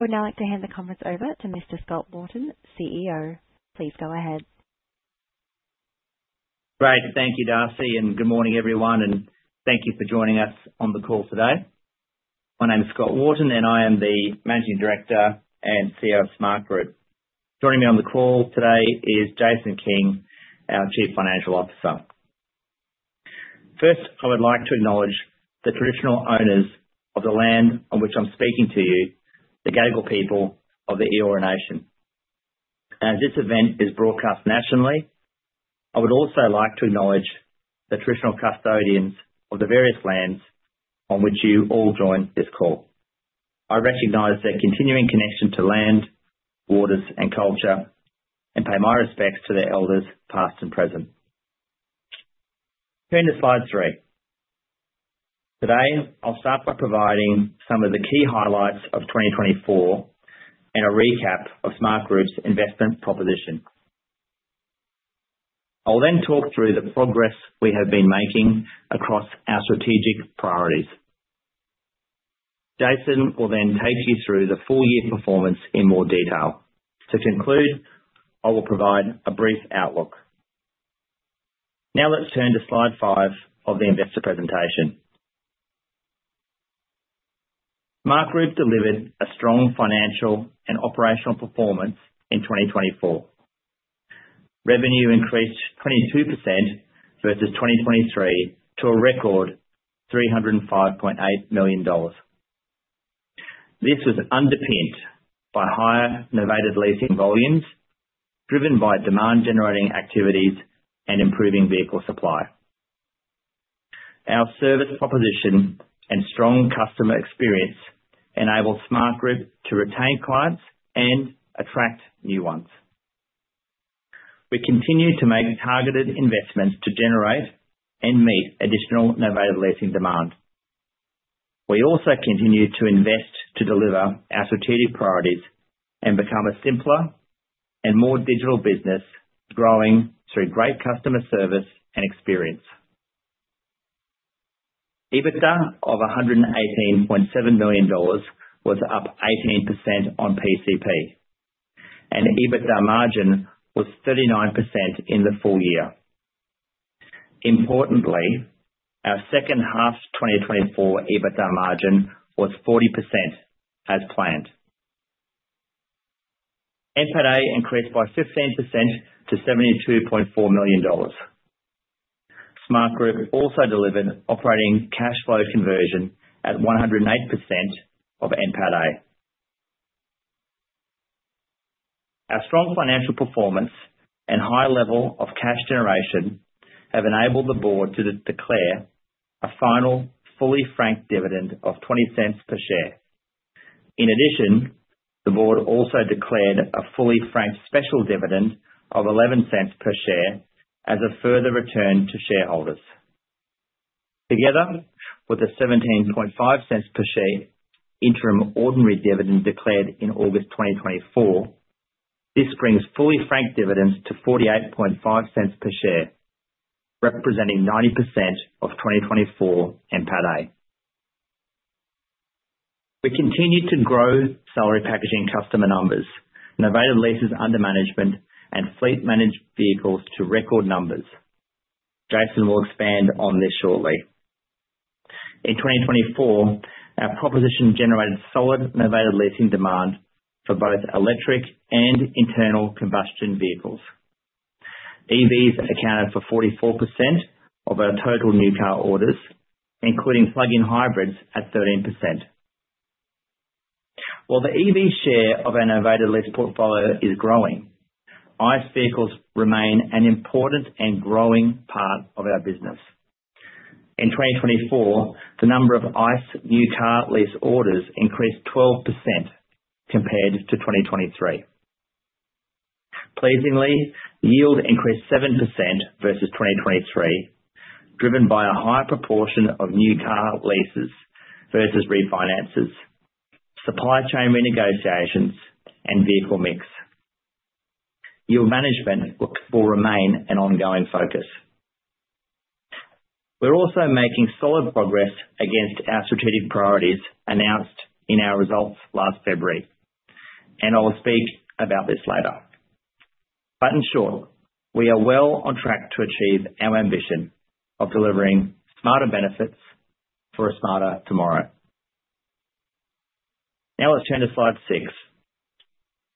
I'd now like to hand the conference over to Mr. Scott Wharton, CEO. Please go ahead. Great. Thank you, Darcy, and good morning, everyone. And thank you for joining us on the call today. My name is Scott Wharton, and I am the Managing Director and CEO of Smartgroup. Joining me on the call today is Jason King, our Chief Financial Officer. First, I would like to acknowledge the traditional owners of the land on which I'm speaking to you, the Gadigal people of the Eora Nation. As this event is broadcast nationally, I would also like to acknowledge the traditional custodians of the various lands on which you all join this call. I recognize their continuing connection to land, waters, and culture, and pay my respects to their elders, past and present. Turning to slide three. Today, I'll start by providing some of the key highlights of 2024 and a recap of Smartgroup's investment proposition. I'll then talk through the progress we have been making across our strategic priorities. Jason will then take you through the full-year performance in more detail. To conclude, I will provide a brief outlook. Now, let's turn to slide five of the investor presentation. Smartgroup delivered a strong financial and operational performance in 2024. Revenue increased 22% versus 2023 to a record $305.8 million. This was underpinned by higher novated leasing volumes driven by demand-generating activities and improving vehicle supply. Our service proposition and strong customer experience enabled Smartgroup to retain clients and attract new ones. We continue to make targeted investments to generate and meet additional novated leasing demand. We also continue to invest to deliver our strategic priorities and become a simpler and more digital business, growing through great customer service and experience. EBITDA of $118.7 million was up 18% on PCP, and EBITDA margin was 39% in the full year. Importantly, our second half 2024 EBITDA margin was 40% as planned. NPATA increased by 15% to $72.4 million. Smartgroup also delivered operating cash flow conversion at 108% of NPATA. Our strong financial performance and high level of cash generation have enabled the board to declare a final fully franked dividend of $0.20 per share. In addition, the Board also declared a fully franked special dividend of $0.11 per share as a further return to shareholders. Together with the $0.175 per share interim ordinary dividend declared in August 2024, this brings fully franked dividends to $0.485 per share, representing 90% of 2024 NPATA. We continue to grow salary packaging customer numbers, novated leases under management, and fleet-managed vehicles to record numbers. Jason will expand on this shortly. In 2024, our proposition generated solid novated leasing demand for both electric and internal combustion vehicles. EVs accounted for 44% of our total new car orders, including plug-in hybrids at 13%. While the EV share of our novated lease portfolio is growing, ICE vehicles remain an important and growing part of our business. In 2024, the number of ICE new car lease orders increased 12% compared to 2023. Pleasingly, yield increased 7% versus 2023, driven by a high proportion of new car leases versus refinances, supply chain renegotiations, and vehicle mix. Yield management will remain an ongoing focus. We're also making solid progress against our strategic priorities announced in our results last February, and I'll speak about this later. But in short, we are well on track to achieve our ambition of delivering smarter benefits for a smarter tomorrow. Now, let's turn to slide six.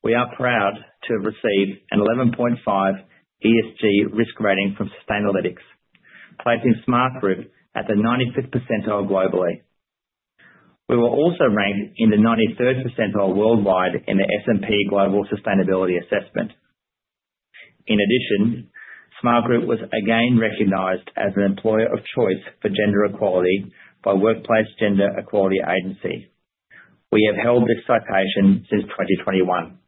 We are proud to have received an 11.5 ESG risk rating from Sustainalytics, placing Smartgroup at the 95th percentile globally. We were also ranked in the 93rd percentile worldwide in the S&P Global Sustainability Assessment. In addition, Smartgroup was again recognized as an Employer of Choice for Gender Equality by Workplace Gender Equality Agency. We have held this citation since 2021.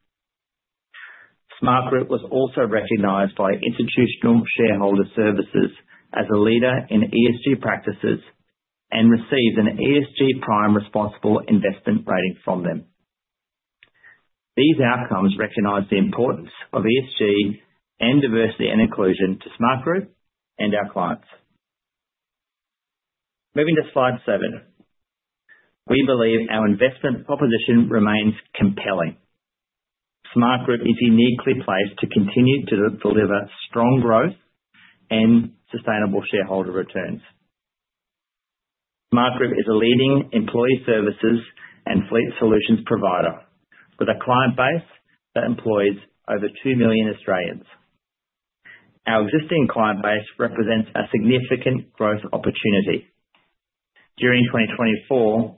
Smartgroup was also recognized by Institutional Shareholder Services as a leader in ESG practices and received an ESG Prime Responsible Investment rating from them. These outcomes recognize the importance of ESG and diversity and inclusion to Smartgroup and our clients. Moving to slide seven, we believe our investment proposition remains compelling. Smartgroup is uniquely placed to continue to deliver strong growth and sustainable shareholder returns. Smartgroup is a leading employee services and fleet solutions provider with a client base that employs over 2 million Australians. Our existing client base represents a significant growth opportunity. During 2024,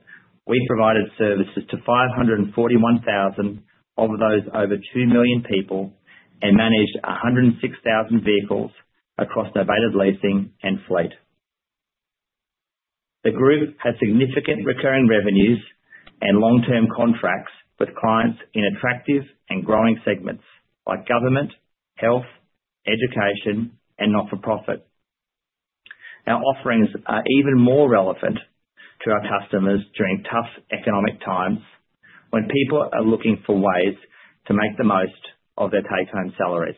we provided services to 541,000 of those over 2 million people and managed 106,000 vehicles across novated leasing and fleet. The group has significant recurring revenues and long-term contracts with clients in attractive and growing segments like government, health, education, and not-for-profit. Our offerings are even more relevant to our customers during tough economic times when people are looking for ways to make the most of their take-home salaries.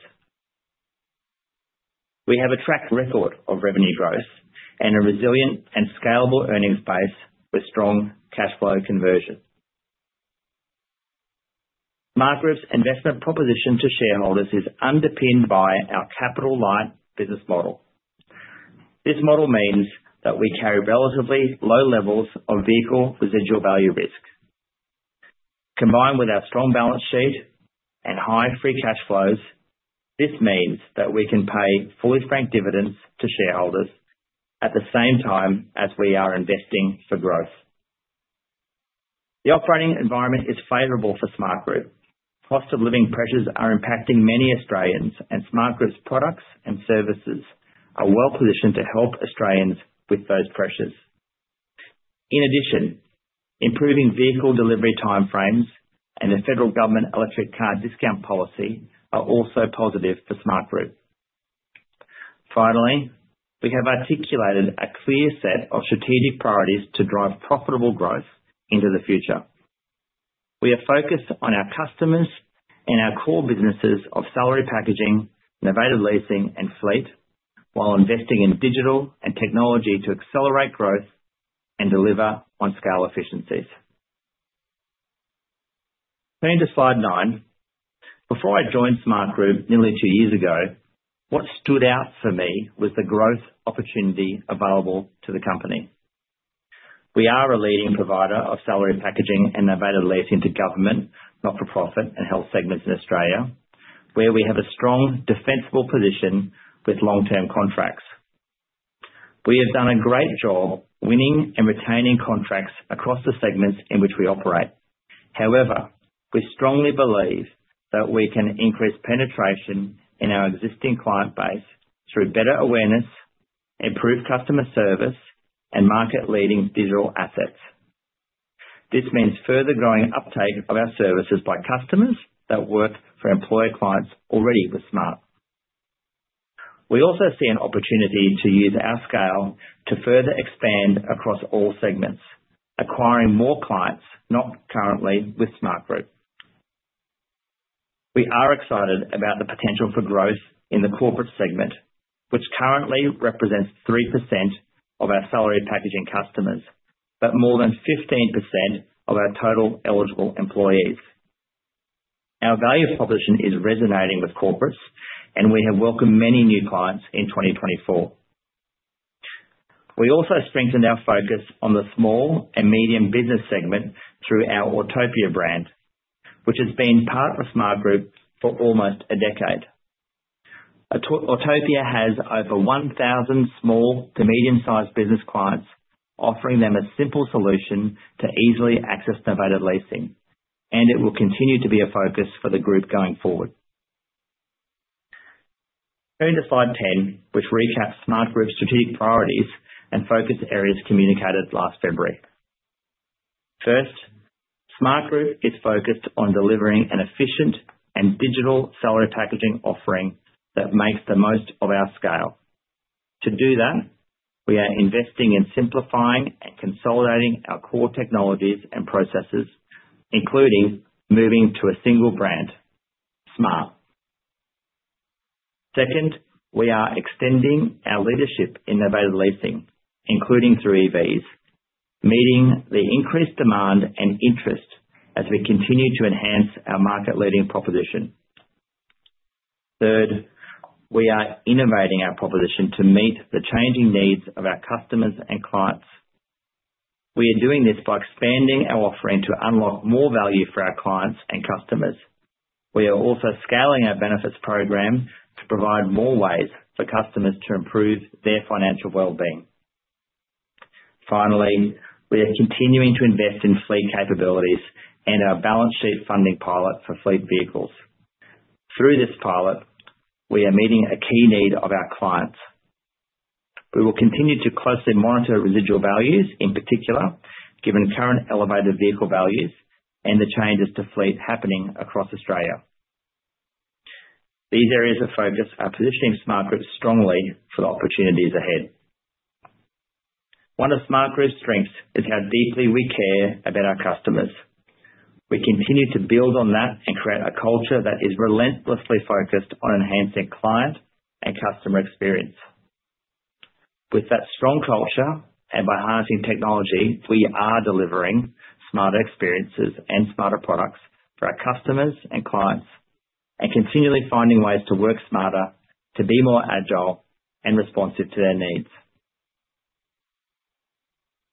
We have a track record of revenue growth and a resilient and scalable earnings base with strong cash flow conversion. Smartgroup's investment proposition to shareholders is underpinned by our capital-light business model. This model means that we carry relatively low levels of vehicle residual value risk. Combined with our strong balance sheet and high free cash flows, this means that we can pay fully franked dividends to shareholders at the same time as we are investing for growth. The operating environment is favorable for Smartgroup. Cost-of-living pressures are impacting many Australians, and Smartgroup's products and services are well-positioned to help Australians with those pressures. In addition, improving vehicle delivery timeframes and the Federal Government Electric Car Discount Policy are also positive for Smartgroup. Finally, we have articulated a clear set of strategic priorities to drive profitable growth into the future. We are focused on our customers and our core businesses of salary packaging, novated leasing, and fleet, while investing in digital and technology to accelerate growth and deliver on scale efficiencies. Turning to slide nine, before I joined Smartgroup nearly two years ago, what stood out for me was the growth opportunity available to the company. We are a leading provider of salary packaging and novated leasing to government, not-for-profit, and health segments in Australia, where we have a strong defensible position with long-term contracts. We have done a great job winning and retaining contracts across the segments in which we operate. However, we strongly believe that we can increase penetration in our existing client base through better awareness, improved customer service, and market-leading digital assets. This means further growing uptake of our services by customers that work for employer clients already with Smart. We also see an opportunity to use our scale to further expand across all segments, acquiring more clients not currently with Smartgroup. We are excited about the potential for growth in the corporate segment, which currently represents 3% of our salary packaging customers, but more than 15% of our total eligible employees. Our value proposition is resonating with corporates, and we have welcomed many new clients in 2024. We also strengthened our focus on the small and medium business segment through our Autopia brand, which has been part of Smartgroup for almost a decade. Autopia has over 1,000 small to medium-sized business clients, offering them a simple solution to easily access novated leasing, and it will continue to be a focus for the group going forward. Turning to slide 10, which recaps Smartgroup's strategic priorities and focus areas communicated last February. First, Smartgroup is focused on delivering an efficient and digital salary packaging offering that makes the most of our scale. To do that, we are investing in simplifying and consolidating our core technologies and processes, including moving to a single brand, Smart. Second, we are extending our leadership in novated leasing, including through EVs, meeting the increased demand and interest as we continue to enhance our market-leading proposition. Third, we are innovating our proposition to meet the changing needs of our customers and clients. We are doing this by expanding our offering to unlock more value for our clients and customers. We are also scaling our benefits program to provide more ways for customers to improve their financial well-being. Finally, we are continuing to invest in fleet capabilities and our balance sheet funding pilot for fleet vehicles. Through this pilot, we are meeting a key need of our clients. We will continue to closely monitor residual values, in particular, given current elevated vehicle values and the changes to fleet happening across Australia. These areas of focus are positioning Smartgroup strongly for the opportunities ahead. One of Smartgroup's strengths is how deeply we care about our customers. We continue to build on that and create a culture that is relentlessly focused on enhancing client and customer experience. With that strong culture and by harnessing technology, we are delivering smarter experiences and smarter products for our customers and clients and continually finding ways to work smarter, to be more agile and responsive to their needs.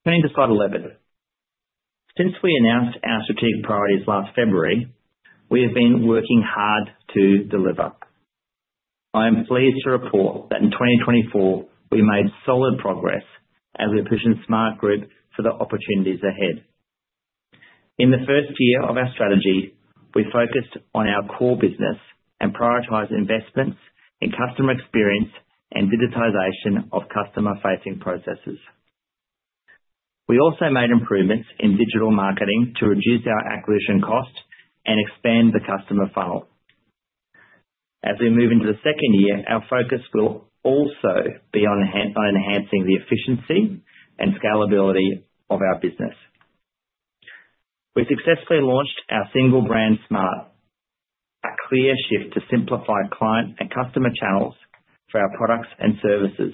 Turning to slide 11, since we announced our strategic priorities last February, we have been working hard to deliver. I am pleased to report that in 2024, we made solid progress as we positioned Smartgroup for the opportunities ahead. In the first year of our strategy, we focused on our core business and prioritized investments in customer experience and digitization of customer-facing processes. We also made improvements in digital marketing to reduce our acquisition cost and expand the customer funnel. As we move into the second year, our focus will also be on enhancing the efficiency and scalability of our business. We successfully launched our single brand, Smart, a clear shift to simplify client and customer channels for our products and services.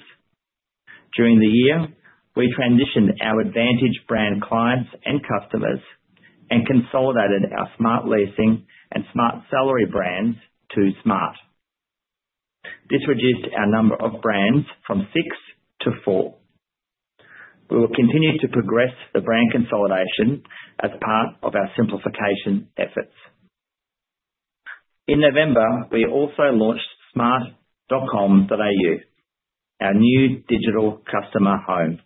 During the year, we transitioned our Advantage brand clients and customers and consolidated our Smartleasing and Smartsalary brands to Smart. This reduced our number of brands from six to four. We will continue to progress the brand consolidation as part of our simplification efforts. In November, we also launched smart.com.au, our new digital customer home.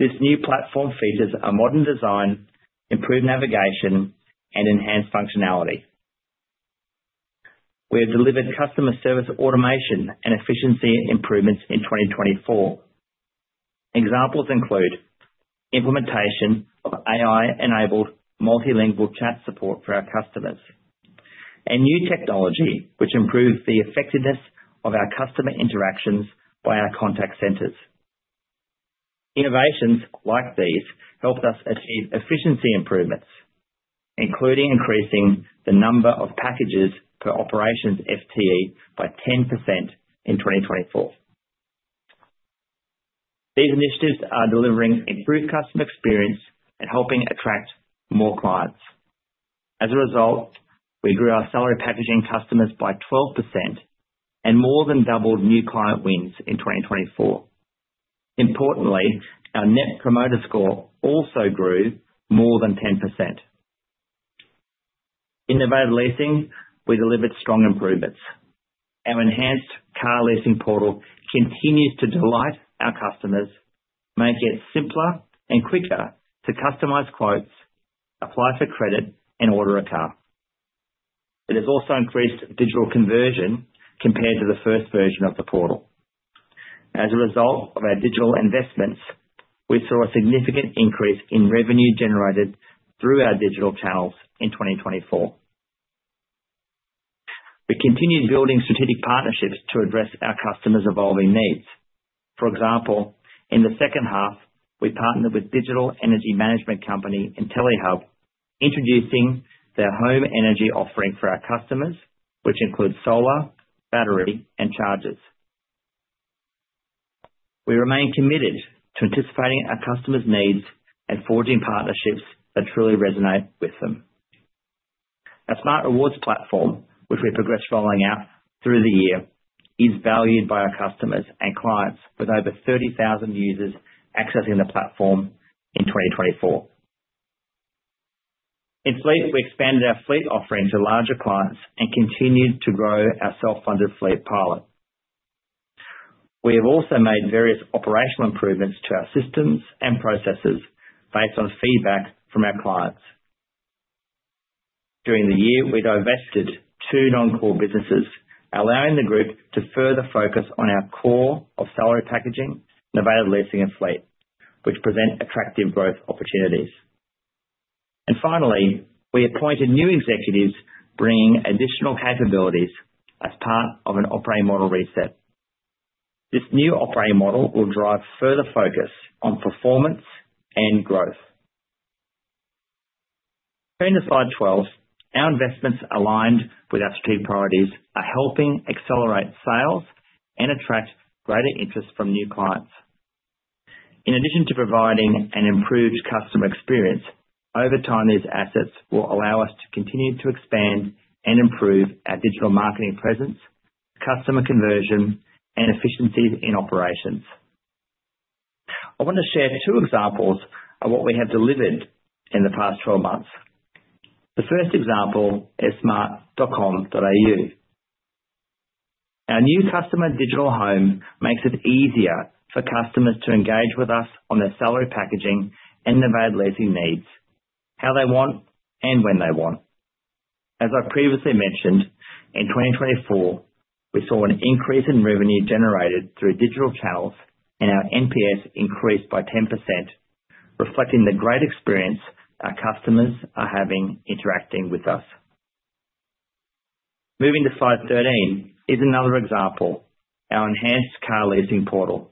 This new platform features a modern design, improved navigation, and enhanced functionality. We have delivered customer service automation and efficiency improvements in 2024. Examples include implementation of AI-enabled multilingual chat support for our customers and new technology which improves the effectiveness of our customer interactions by our contact centers. Innovations like these helped us achieve efficiency improvements, including increasing the number of packages per operations FTE by 10% in 2024. These initiatives are delivering improved customer experience and helping attract more clients. As a result, we grew our salary packaging customers by 12% and more than doubled new client wins in 2024. Importantly, our Net Promoter Score also grew more than 10%. In novated leasing, we delivered strong improvements. Our enhanced car leasing portal continues to delight our customers, making it simpler and quicker to customize quotes, apply for credit, and order a car. It has also increased digital conversion compared to the first version of the portal. As a result of our digital investments, we saw a significant increase in revenue generated through our digital channels in 2024. We continued building strategic partnerships to address our customers' evolving needs. For example, in the second half, we partnered with digital energy management company Intellihub, introducing their home energy offering for our customers, which includes solar, battery, and chargers. We remain committed to anticipating our customers' needs and forging partnerships that truly resonate with them. Our Smartrewards platform, which we progressed rolling out through the year, is valued by our customers and clients with over 30,000 users accessing the platform in 2024. In fleet, we expanded our fleet offering to larger clients and continued to grow our self-funded fleet pilot. We have also made various operational improvements to our systems and processes based on feedback from our clients. During the year, we divested two non-core businesses, allowing the group to further focus on our core of salary packaging, novated leasing, and fleet, which present attractive growth opportunities. Finally, we appointed new executives bringing additional capabilities as part of an operating model reset. This new operating model will drive further focus on performance and growth. Turning to slide 12, our investments aligned with our strategic priorities are helping accelerate sales and attract greater interest from new clients. In addition to providing an improved customer experience, over time, these assets will allow us to continue to expand and improve our digital marketing presence, customer conversion, and efficiencies in operations. I want to share two examples of what we have delivered in the past 12 months. The first example is smart.com.au. Our new customer digital home makes it easier for customers to engage with us on their salary packaging and novated leasing needs, how they want and when they want. As I previously mentioned, in 2024, we saw an increase in revenue generated through digital channels, and our NPS increased by 10%, reflecting the great experience our customers are having interacting with us. Moving to slide 13 is another example, our enhanced car leasing portal.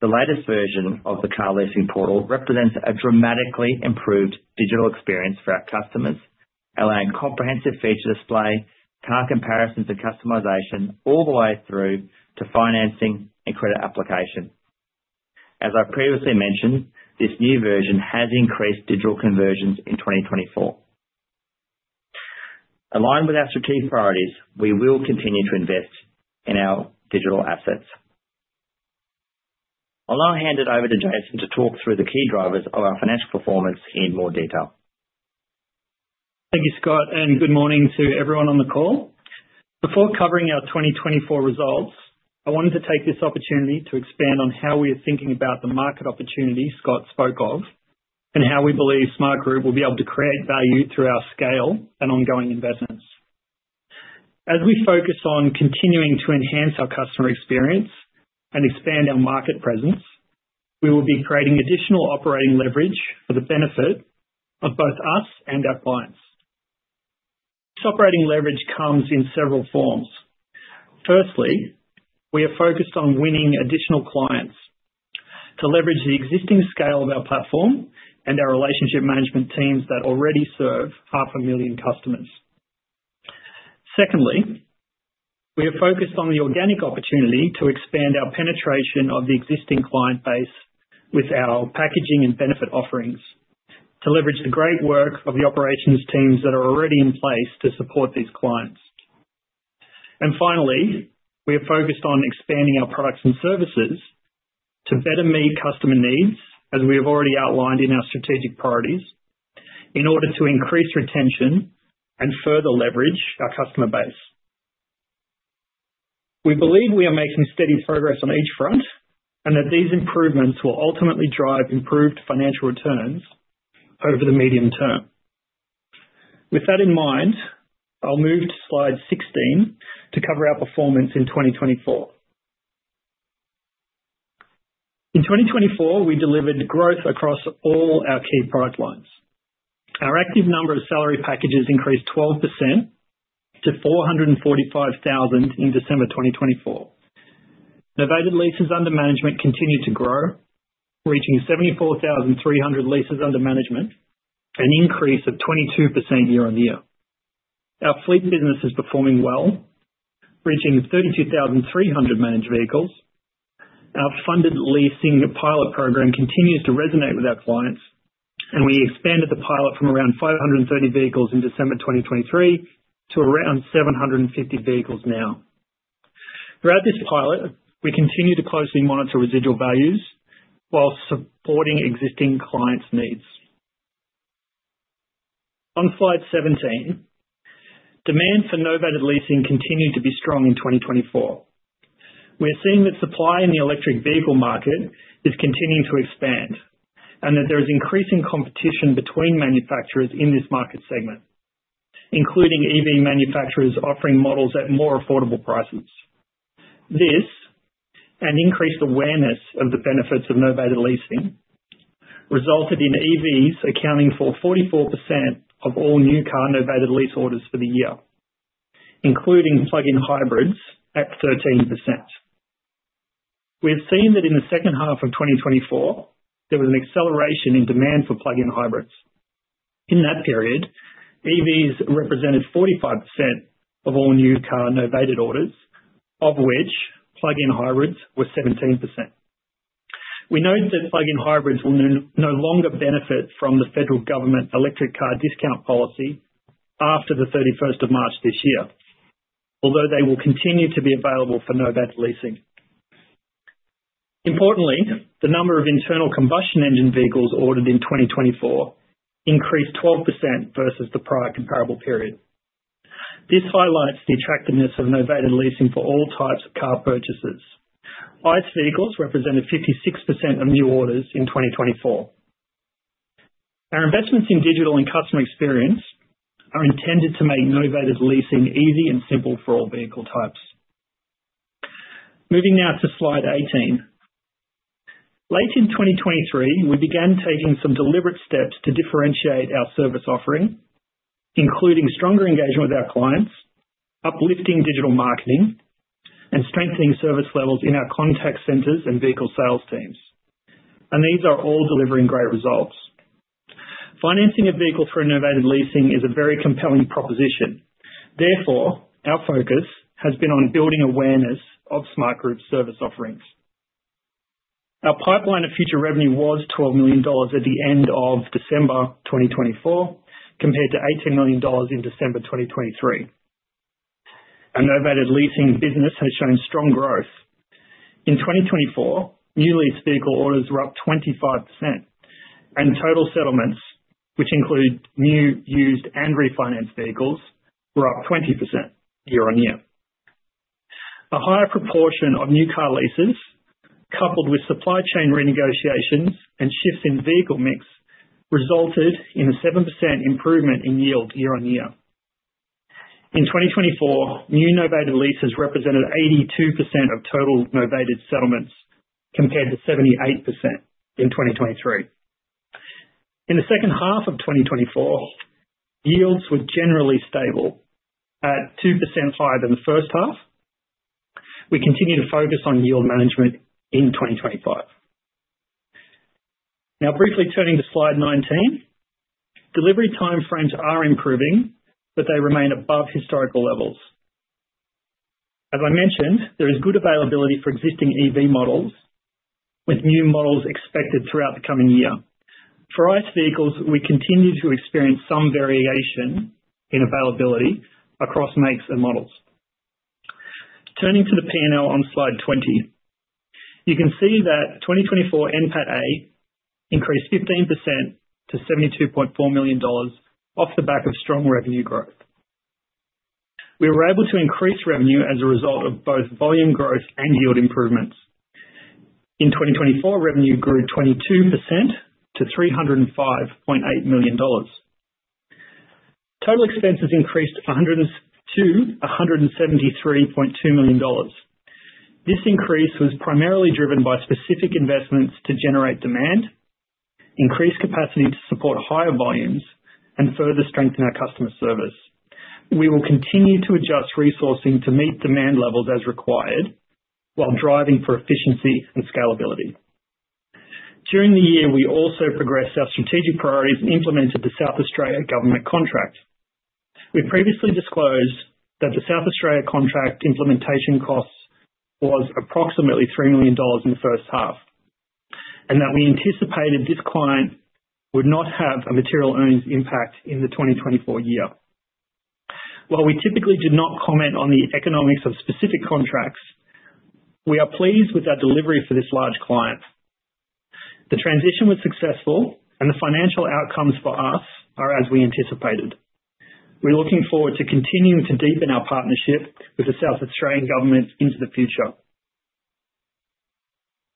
The latest version of the car leasing portal represents a dramatically improved digital experience for our customers, allowing comprehensive feature display, car comparisons and customization, all the way through to financing and credit application. As I previously mentioned, this new version has increased digital conversions in 2024. Aligned with our strategic priorities, we will continue to invest in our digital assets. I'll now hand it over to Jason to talk through the key drivers of our financial performance in more detail. Thank you, Scott, and good morning to everyone on the call. Before covering our 2024 results, I wanted to take this opportunity to expand on how we are thinking about the market opportunity Scott spoke of and how we believe Smartgroup will be able to create value through our scale and ongoing investments. As we focus on continuing to enhance our customer experience and expand our market presence, we will be creating additional operating leverage for the benefit of both us and our clients. This operating leverage comes in several forms. Firstly, we are focused on winning additional clients to leverage the existing scale of our platform and our relationship management teams that already serve 500,000 customers. Secondly, we are focused on the organic opportunity to expand our penetration of the existing client base with our packaging and benefit offerings to leverage the great work of the operations teams that are already in place to support these clients. And finally, we are focused on expanding our products and services to better meet customer needs, as we have already outlined in our strategic priorities, in order to increase retention and further leverage our customer base. We believe we are making steady progress on each front and that these improvements will ultimately drive improved financial returns over the medium term. With that in mind, I'll move to slide 16 to cover our performance in 2024. In 2024, we delivered growth across all our key product lines. Our active number of salary packages increased 12% to 445,000 in December 2024. Novated leases under management continued to grow, reaching 74,300 leases under management, an increase of 22% year on year. Our fleet business is performing well, reaching 32,300 managed vehicles. Our funded leasing pilot program continues to resonate with our clients, and we expanded the pilot from around 530 vehicles in December 2023 to around 750 vehicles now. Throughout this pilot, we continue to closely monitor residual values while supporting existing clients' needs. On slide 17, demand for novated leasing continued to be strong in 2024. We are seeing that supply in the electric vehicle market is continuing to expand and that there is increasing competition between manufacturers in this market segment, including EV manufacturers offering models at more affordable prices. This and increased awareness of the benefits of novated leasing resulted in EVs accounting for 44% of all new car novated lease orders for the year, including plug-in hybrids at 13%. We have seen that in the second half of 2024, there was an acceleration in demand for plug-in hybrids. In that period, EVs represented 45% of all new car novated orders, of which plug-in hybrids were 17%. We note that plug-in hybrids will no longer benefit from the federal government electric car discount policy after the 31st of March this year, although they will continue to be available for novated leasing. Importantly, the number of internal combustion engine vehicles ordered in 2024 increased 12% versus the prior comparable period. This highlights the attractiveness of novated leasing for all types of car purchases. ICE vehicles represented 56% of new orders in 2024. Our investments in digital and customer experience are intended to make novated leasing easy and simple for all vehicle types. Moving now to slide 18. Late in 2023, we began taking some deliberate steps to differentiate our service offering, including stronger engagement with our clients, uplifting digital marketing, and strengthening service levels in our contact centers and vehicle sales teams. And these are all delivering great results. Financing a vehicle through novated leasing is a very compelling proposition. Therefore, our focus has been on building awareness of Smartgroup's service offerings. Our pipeline of future revenue was $12 million at the end of December 2024 compared to $18 million in December 2023. Our novated leasing business has shown strong growth. In 2024, new lease vehicle orders were up 25%, and total settlements, which include new, used, and refinanced vehicles, were up 20% year on year. A higher proportion of new car leases, coupled with supply chain renegotiations and shifts in vehicle mix, resulted in a 7% improvement in yield year on year. In 2024, new novated leases represented 82% of total novated settlements compared to 78% in 2023. In the second half of 2024, yields were generally stable at 2% higher than the first half. We continue to focus on yield management in 2025. Now, briefly turning to slide 19, delivery timeframes are improving, but they remain above historical levels. As I mentioned, there is good availability for existing EV models, with new models expected throughout the coming year. For ICE vehicles, we continue to experience some variation in availability across makes and models. Turning to the P&L on slide 20, you can see that 2024 NPATA increased 15% to $72.4 million off the back of strong revenue growth. We were able to increase revenue as a result of both volume growth and yield improvements. In 2024, revenue grew 22% to $305.8 million. Total expenses increased 10.2% to $73.2 million. This increase was primarily driven by specific investments to generate demand, increase capacity to support higher volumes, and further strengthen our customer service. We will continue to adjust resourcing to meet demand levels as required while driving for efficiency and scalability. During the year, we also progressed our strategic priorities and implemented the South Australian Government contract. We previously disclosed that the South Australian Government contract implementation costs was approximately $3 million in the first half and that we anticipated this client would not have a material earnings impact in the 2024 year. While we typically did not comment on the economics of specific contracts, we are pleased with our delivery for this large client. The transition was successful, and the financial outcomes for us are as we anticipated. We're looking forward to continuing to deepen our partnership with the South Australian Government into the future.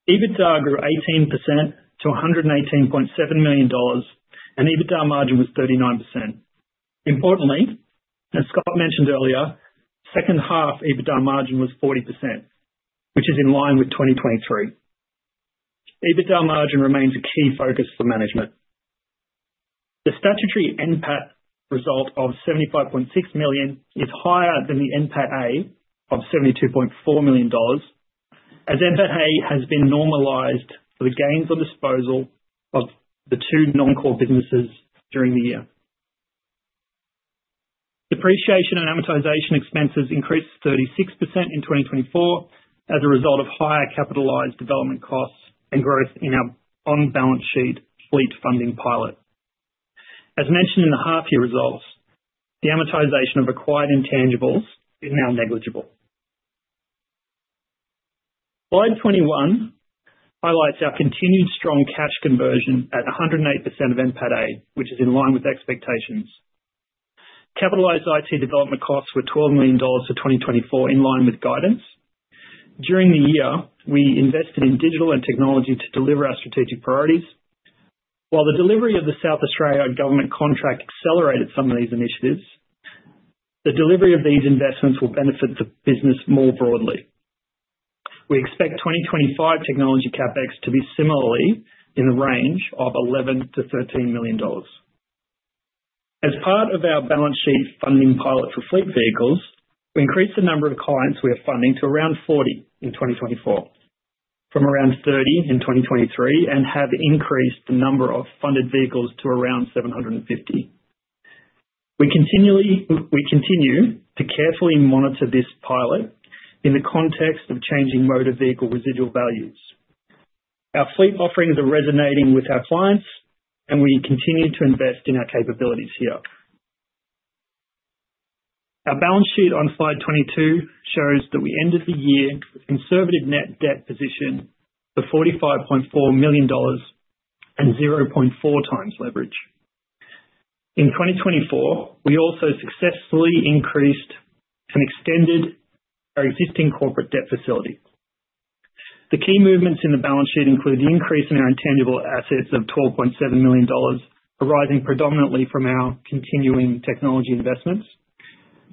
EBITDA grew 18% to $118.7 million, and EBITDA margin was 39%. Importantly, as Scott mentioned earlier, second half EBITDA margin was 40%, which is in line with 2023. EBITDA margin remains a key focus for management. The statutory NPAT result of $75.6 million is higher than the NPATA of $72.4 million, as NPATA has been normalized for the gains on disposal of the two non-core businesses during the year. Depreciation and amortization expenses increased 36% in 2024 as a result of higher capitalized development costs and growth in our on-balance sheet fleet funding pilot. As mentioned in the half-year results, the amortization of acquired intangibles is now negligible. Slide 21 highlights our continued strong cash conversion at 108% of NPATA, which is in line with expectations. Capitalized IT development costs were $12 million for 2024 in line with guidance. During the year, we invested in digital and technology to deliver our strategic priorities. While the delivery of the South Australian Government contract accelerated some of these initiatives, the delivery of these investments will benefit the business more broadly. We expect 2025 technology CapEx to be similarly in the range of $11 million-$13 million. As part of our balance sheet funding pilot for fleet vehicles, we increased the number of clients we are funding to around 40 in 2024, from around 30 in 2023, and have increased the number of funded vehicles to around 750. We continue to carefully monitor this pilot in the context of changing motor vehicle residual values. Our fleet offerings are resonating with our clients, and we continue to invest in our capabilities here. Our balance sheet on slide 22 shows that we ended the year with a conservative net debt position of $45.4 million and 0.4 times leverage. In 2024, we also successfully increased and extended our existing corporate debt facility. The key movements in the balance sheet include the increase in our intangible assets of $12.7 million, arising predominantly from our continuing technology investments,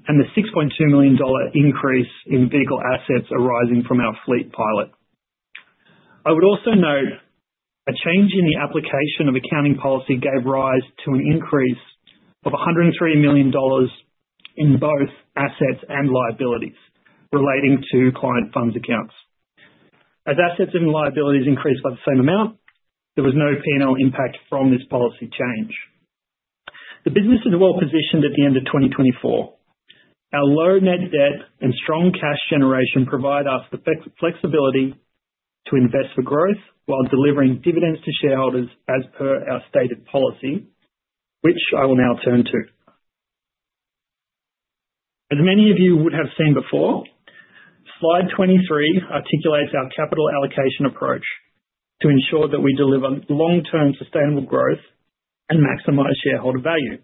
and the $6.2 million increase in vehicle assets arising from our fleet pilot. I would also note a change in the application of accounting policy gave rise to an increase of $103 million in both assets and liabilities relating to client funds accounts. As assets and liabilities increased by the same amount, there was no P&L impact from this policy change. The business is well positioned at the end of 2024. Our low net debt and strong cash generation provide us the flexibility to invest for growth while delivering dividends to shareholders as per our stated policy, which I will now turn to. As many of you would have seen before, slide 23 articulates our capital allocation approach to ensure that we deliver long-term sustainable growth and maximize shareholder value.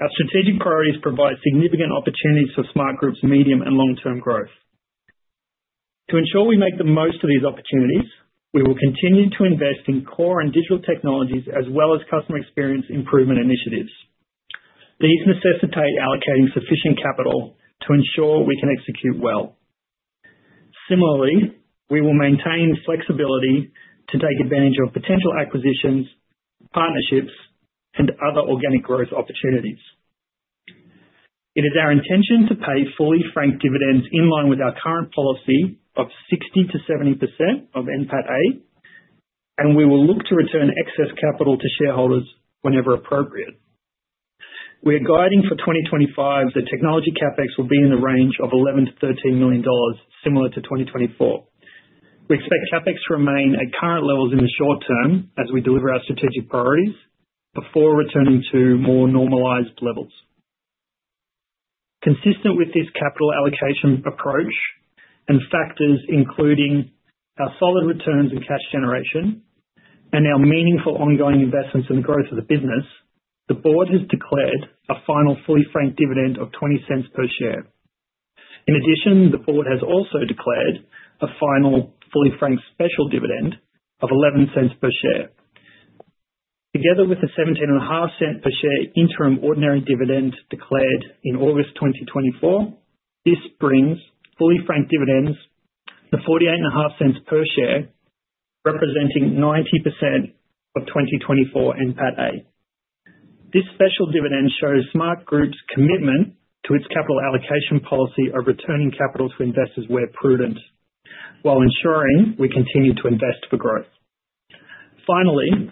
Our strategic priorities provide significant opportunities for Smartgroup's medium and long-term growth. To ensure we make the most of these opportunities, we will continue to invest in core and digital technologies as well as customer experience improvement initiatives. These necessitate allocating sufficient capital to ensure we can execute well. Similarly, we will maintain flexibility to take advantage of potential acquisitions, partnerships, and other organic growth opportunities. It is our intention to pay fully franked dividends in line with our current policy of 60%-70% of NPATA, and we will look to return excess capital to shareholders whenever appropriate. We are guiding for 2025 that technology CapEx will be in the range of $11 million-$13 million, similar to 2024. We expect CapEx to remain at current levels in the short term as we deliver our strategic priorities before returning to more normalized levels. Consistent with this capital allocation approach and factors including our solid returns and cash generation and our meaningful ongoing investments in the growth of the business, the Board has declared a final fully franked dividend of $0.20 per share. In addition, the board has also declared a final fully franked special dividend of $0.11 per share. Together with the $0.17 per share interim ordinary dividend declared in August 2024, this brings fully franked dividends to $0.48 per share, representing 90% of 2024 NPATA. This special dividend shows Smartgroup's commitment to its capital allocation policy of returning capital to investors where prudent, while ensuring we continue to invest for growth. Finally,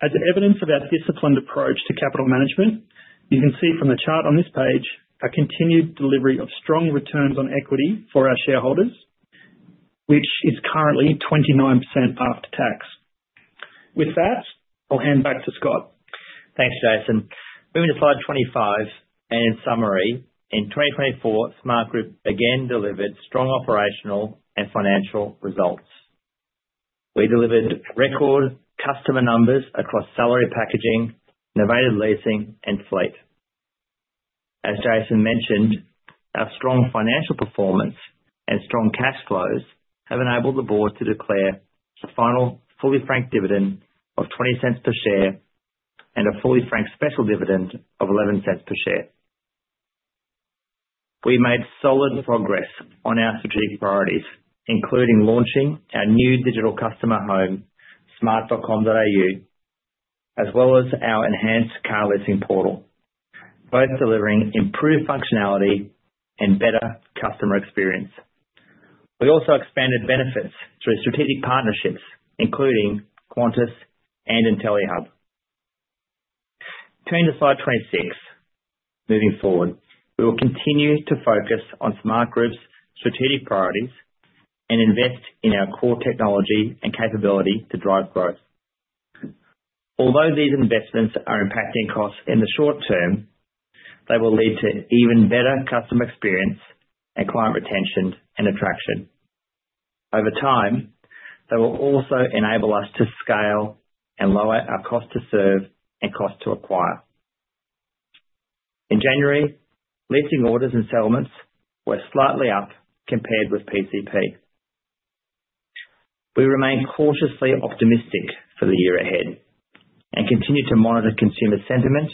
as evidence of our disciplined approach to capital management, you can see from the chart on this page our continued delivery of strong returns on equity for our shareholders, which is currently 29% after tax. With that, I'll hand back to Scott. Thanks, Jason. Moving to slide 25, and in summary, in 2024, Smartgroup again delivered strong operational and financial results. We delivered record customer numbers across salary packaging, novated leasing, and fleet. As Jason mentioned, our strong financial performance and strong cash flows have enabled the board to declare a final fully franked dividend of $0.20 per share and a fully franked special dividend of $0.11 per share. We made solid progress on our strategic priorities, including launching our new digital customer home, smart.com.au, as well as our enhanced car leasing portal, both delivering improved functionality and better customer experience. We also expanded benefits through strategic partnerships, including Qantas and Intellihub. Turning to slide 26, moving forward, we will continue to focus on Smartgroup's strategic priorities and invest in our core technology and capability to drive growth. Although these investments are impacting costs in the short term, they will lead to even better customer experience and client retention and attraction. Over time, they will also enable us to scale and lower our cost to serve and cost to acquire. In January, leasing orders and settlements were slightly up compared with PCP. We remain cautiously optimistic for the year ahead and continue to monitor consumer sentiment,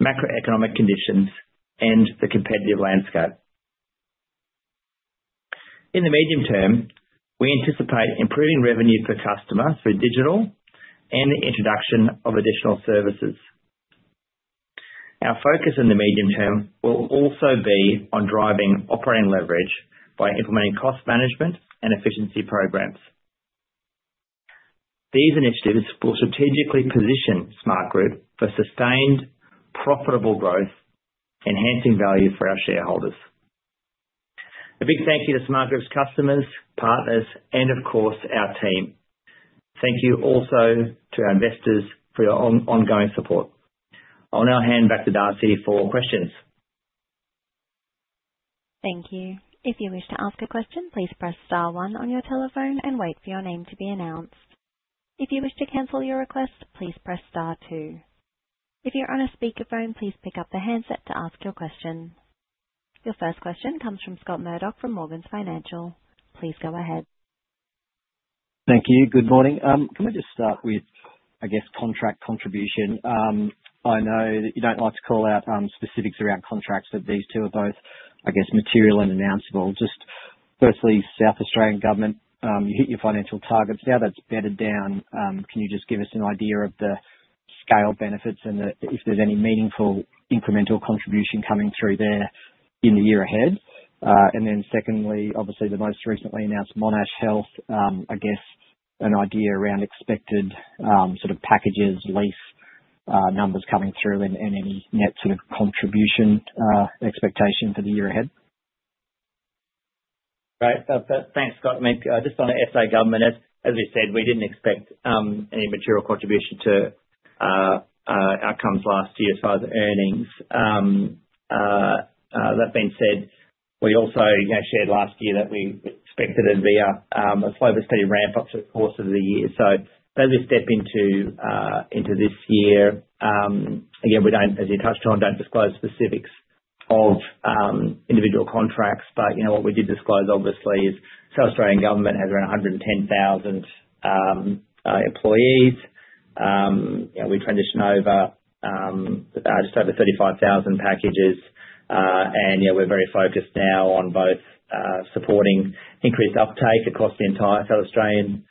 macroeconomic conditions, and the competitive landscape. In the medium term, we anticipate improving revenue per customer through digital and the introduction of additional services. Our focus in the medium term will also be on driving operating leverage by implementing cost management and efficiency programs. These initiatives will strategically position Smartgroup for sustained profitable growth, enhancing value for our shareholders. A big thank you to Smartgroup's customers, partners, and of course, our team. Thank you also to our investors for your ongoing support. I'll now hand back to Darcy for questions. Thank you. If you wish to ask a question, please press star one on your telephone and wait for your name to be announced. If you wish to cancel your request, please press star two. If you're on a speakerphone, please pick up the handset to ask your question. Your first question comes from Scott Murdoch from Morgans Financial. Please go ahead. Thank you. Good morning. Can we just start with, I guess, contract contribution? I know that you don't like to call out specifics around contracts, but these two are both, I guess, material and announceable. Just firstly, South Australian Government, you hit your financial targets. Now that's bedded down. Can you just give us an idea of the scale benefits and if there's any meaningful incremental contribution coming through there in the year ahead? And then secondly, obviously, the most recently announced Monash Health, I guess, an idea around expected sort of packages lease numbers coming through and any net sort of contribution expectation for the year ahead? Right. Thanks, Scott. Just on the SA Government, as we said, we didn't expect any material contribution to outcomes last year as far as earnings. That being said, we also shared last year that we expected it to be a slow but steady ramp up through the course of the year, so as we step into this year, again, we don't, as you touched on, disclose specifics of individual contracts. But what we did disclose, obviously, is the South Australian Government has around 110,000 employees. We transitioned over just over 35,000 packages, and we're very focused now on both supporting increased uptake across the entire South Australian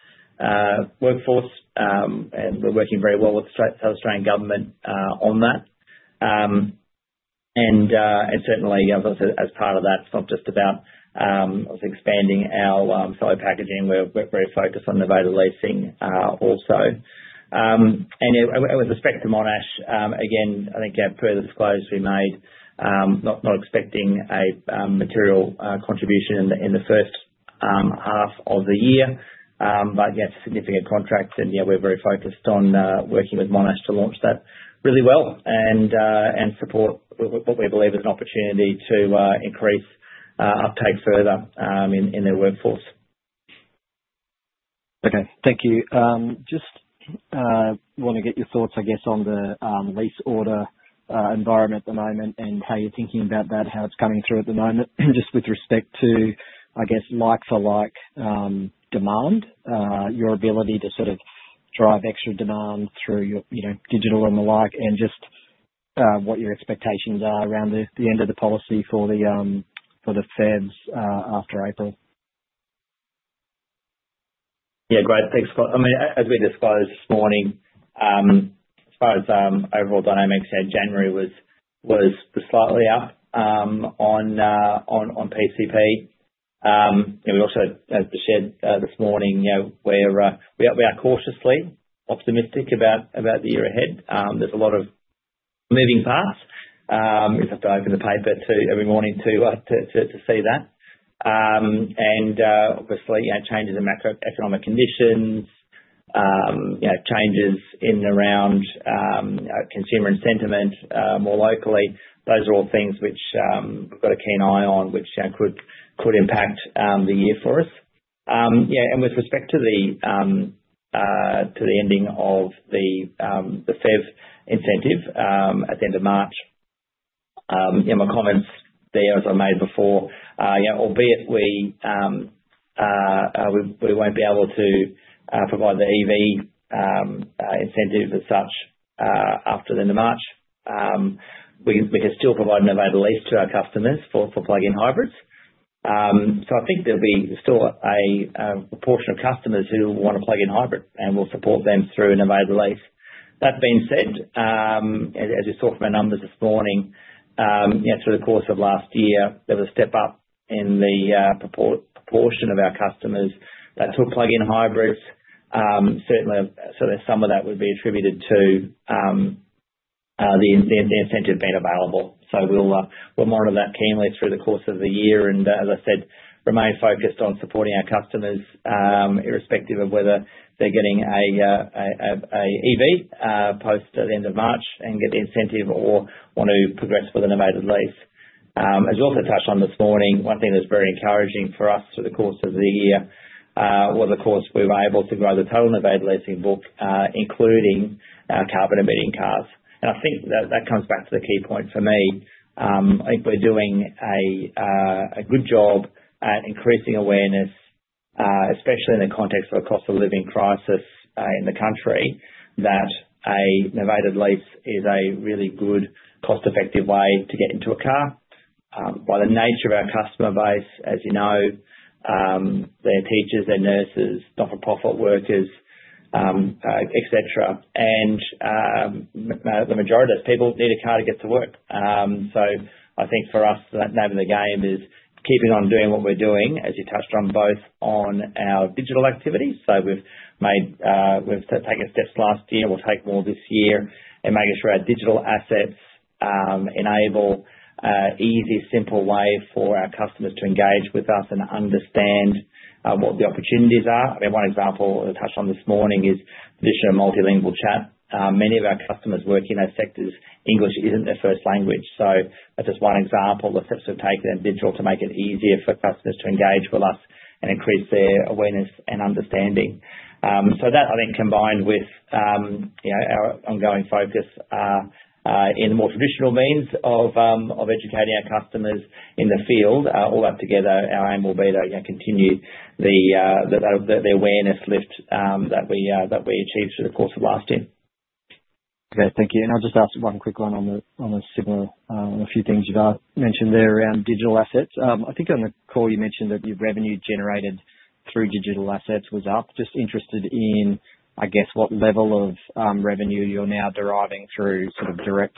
workforce. And we're working very well with the South Australian Government on that, and certainly, as part of that, it's not just about expanding our salary packaging. We're very focused on novated leasing also. And with respect to Monash, again, I think further disclosure to be made, not expecting a material contribution in the first half of the year, but yes, significant contracts. And we're very focused on working with Monash to launch that really well and support what we believe is an opportunity to increase uptake further in their workforce. Okay. Thank you. Just want to get your thoughts, I guess, on the lease order environment at the moment and how you're thinking about that, how it's coming through at the moment, just with respect to, I guess, like-for-like demand, your ability to sort of drive extra demand through digital and the like, and just what your expectations are around the end of the policy for the PHEVs after April. Yeah. Great. Thanks, Scott. I mean, as we disclosed this morning, as far as overall dynamics, January was slightly up on PCP. We also shared this morning where we are cautiously optimistic about the year ahead. There's a lot of moving parts. We just have to open the paper every morning to see that, and obviously, changes in macroeconomic conditions, changes in and around consumer sentiment more locally, those are all things which we've got a keen eye on, which could impact the year for us. Yeah, and with respect to the ending of the FBT incentive at the end of March, my comments there as I made before, albeit we won't be able to provide the EV incentive as such after the end of March, we can still provide novated lease to our customers for plug-in hybrids. So I think there'll be still a proportion of customers who want a plug-in hybrid, and we'll support them through novated lease. That being said, as you saw from our numbers this morning, through the course of last year, there was a step up in the proportion of our customers that took plug-in hybrids. Certainly, some of that would be attributed to the incentive being available, so we'll monitor that keenly through the course of the year, and as I said, remain focused on supporting our customers, irrespective of whether they're getting an EV post the end of March and get the incentive or want to progress with a novated lease. As we also touched on this morning, one thing that's very encouraging for us through the course of the year was, of course, we were able to grow the total novated leasing book, including our carbon-emitting cars, and I think that comes back to the key point for me. I think we're doing a good job at increasing awareness, especially in the context of a cost of living crisis in the country, that a novated lease is a really good cost-effective way to get into a car. By the nature of our customer base, as you know, they're teachers, they're nurses, not-for-profit workers, etc. And the majority of those people need a car to get to work. So I think for us, the name of the game is keeping on doing what we're doing, as you touched on, both on our digital activities. So we've taken steps last year. We'll take more this year in making sure our digital assets enable an easy, simple way for our customers to engage with us and understand what the opportunities are. I mean, one example we touched on this morning is the addition of multilingual chat. Many of our customers work in those sectors. English isn't their first language. So that's just one example of steps we've taken in digital to make it easier for customers to engage with us and increase their awareness and understanding. So that, I think, combined with our ongoing focus in the more traditional means of educating our customers in the field, all that together, our aim will be to continue the awareness lift that we achieved through the course of last year. Okay. Thank you. And I'll just ask one quick one on a similar few things you've mentioned there around digital assets. I think on the call you mentioned that your revenue generated through digital assets was up. Just interested in, I guess, what level of revenue you're now deriving through sort of direct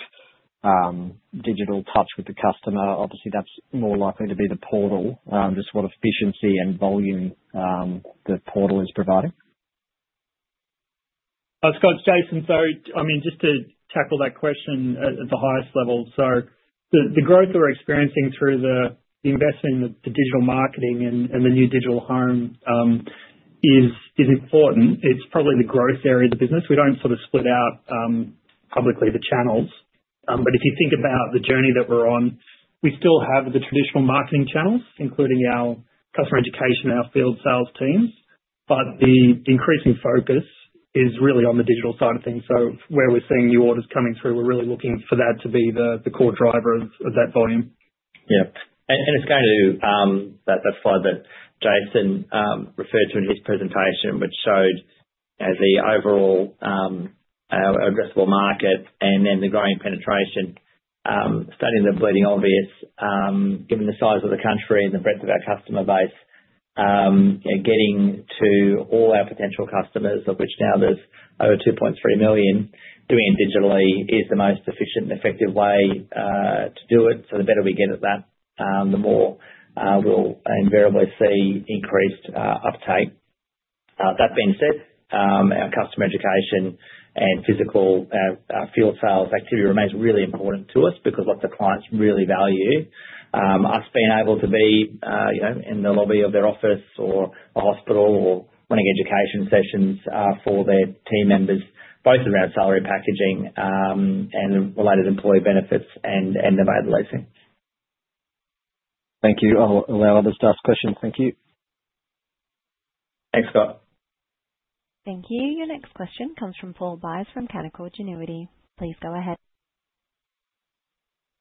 digital touch with the customer. Obviously, that's more likely to be the portal, just what efficiency and volume the portal is providing. Scott Jason, sorry. I mean, just to tackle that question at the highest level. So the growth we're experiencing through the investment in the digital marketing and the new digital home is important. It's probably the growth area of the business. We don't sort of split out publicly the channels. But if you think about the journey that we're on, we still have the traditional marketing channels, including our customer education, our field sales teams. But the increasing focus is really on the digital side of things. So where we're seeing new orders coming through, we're really looking for that to be the core driver of that volume. Yeah. And it's going to that slide that Jason referred to in his presentation, which showed the overall addressable market and then the growing penetration. Stating the bleeding obvious, given the size of the country and the breadth of our customer base, getting to all our potential customers, of which now there's over 2.3 million, doing it digitally is the most efficient and effective way to do it. So the better we get at that, the more we'll invariably see increased uptake. That being said, our customer education and physical field sales activity remains really important to us because what the clients really value, us being able to be in the lobby of their office or a hospital or running education sessions for their team members, both around salary packaging and related employee benefits and novated leasing. Thank you. I'll allow others to ask questions. Thank you. Thanks, Scott. Thank you. Your next question comes from Paul Buys from Canaccord Genuity. Please go ahead.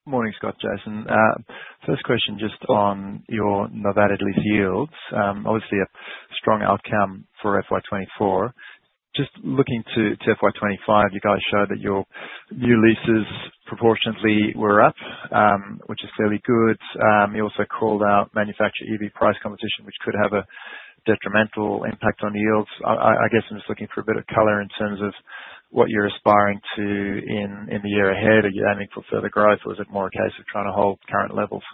Morning, Scott, Jason. First question just on your novated lease yields. Obviously, a strong outcome for FY2024. Just looking to FY2025, you guys showed that your new leases proportionately were up, which is fairly good. You also called out manufacturer EV price competition, which could have a detrimental impact on yields. I guess I'm just looking for a bit of color in terms of what you're aspiring to in the year ahead. Are you aiming for further growth, or is it more a case of trying to hold current levels?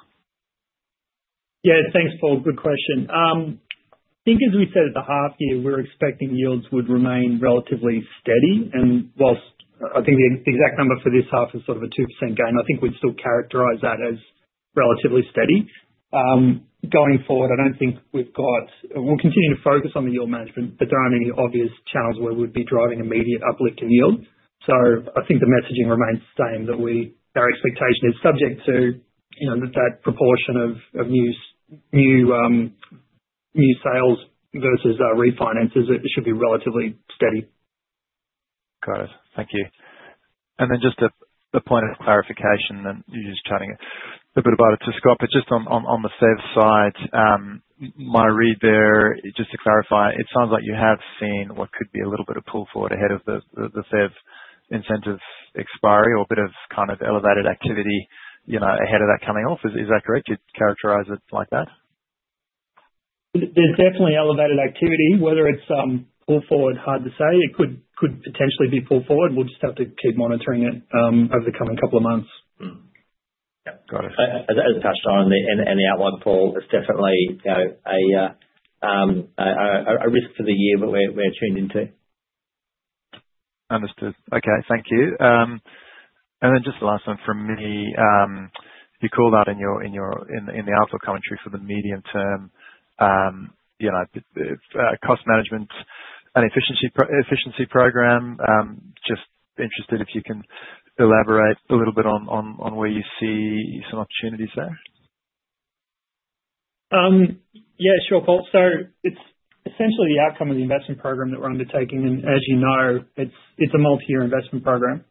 Yeah. Thanks, Paul. Good question. I think as we said at the half year, we're expecting yields would remain relatively steady, and whilst I think the exact number for this half is sort of a 2% gain, I think we'd still characterize that as relatively steady. Going forward, I don't think we'll continue to focus on the yield management, but there aren't any obvious channels where we'd be driving immediate uplift in yield. So I think the messaging remains the same that our expectation is subject to that proportion of new sales versus refinances. It should be relatively steady. Got it. Thank you. And then just a point of clarification, and you're just chatting a bit about it to Scott, but just on the Fed side, my read there, just to clarify, it sounds like you have seen what could be a little bit of pull forward ahead of the Fed incentive expiry or a bit of kind of elevated activity ahead of that coming off. Is that correct? You'd characterize it like that? There's definitely elevated activity. Whether it's pull forward, hard to say. It could potentially be pull forward. We'll just have to keep monitoring it over the coming couple of months. Yeah. Got it. As I touched on, and the outlook, Paul, it's definitely a risk for the year that we're tuned into. Understood. Okay. Thank you. And then just the last one from me. You called out in the outlook commentary for the medium-term cost management and efficiency program. Just interested if you can elaborate a little bit on where you see some opportunities there. Yeah. Sure, Paul. So it's essentially the outcome of the investment program that we're undertaking. And as you know, it's a multi-year investment program.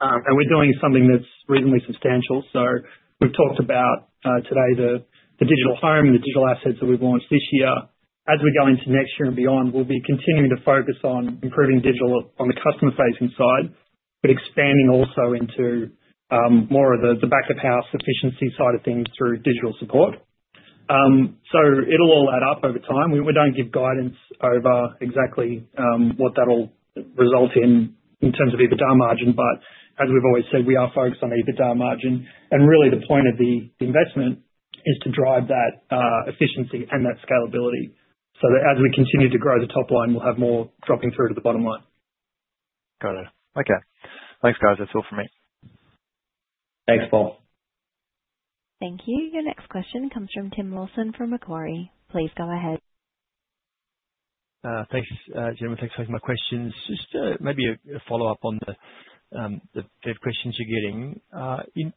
And we're doing something that's reasonably substantial. So we've talked about today the digital home and the digital assets that we've launched this year. As we go into next year and beyond, we'll be continuing to focus on improving digital on the customer-facing side, but expanding also into more of the back-of-house efficiency side of things through digital support, so it'll all add up over time. We don't give guidance over exactly what that'll result in terms of EBITDA margin, but as we've always said, we are focused on EBITDA margin, and really, the point of the investment is to drive that efficiency and that scalability so that as we continue to grow the top line, we'll have more dropping through to the bottom line. Got it. Okay. Thanks, guys. That's all from me. Thanks, Paul. Thank you. Your next question comes from Tim Lawson from Macquarie. Please go ahead. Thanks, Scott. Thanks for taking my questions. Just maybe a follow-up on the fleet questions you're getting.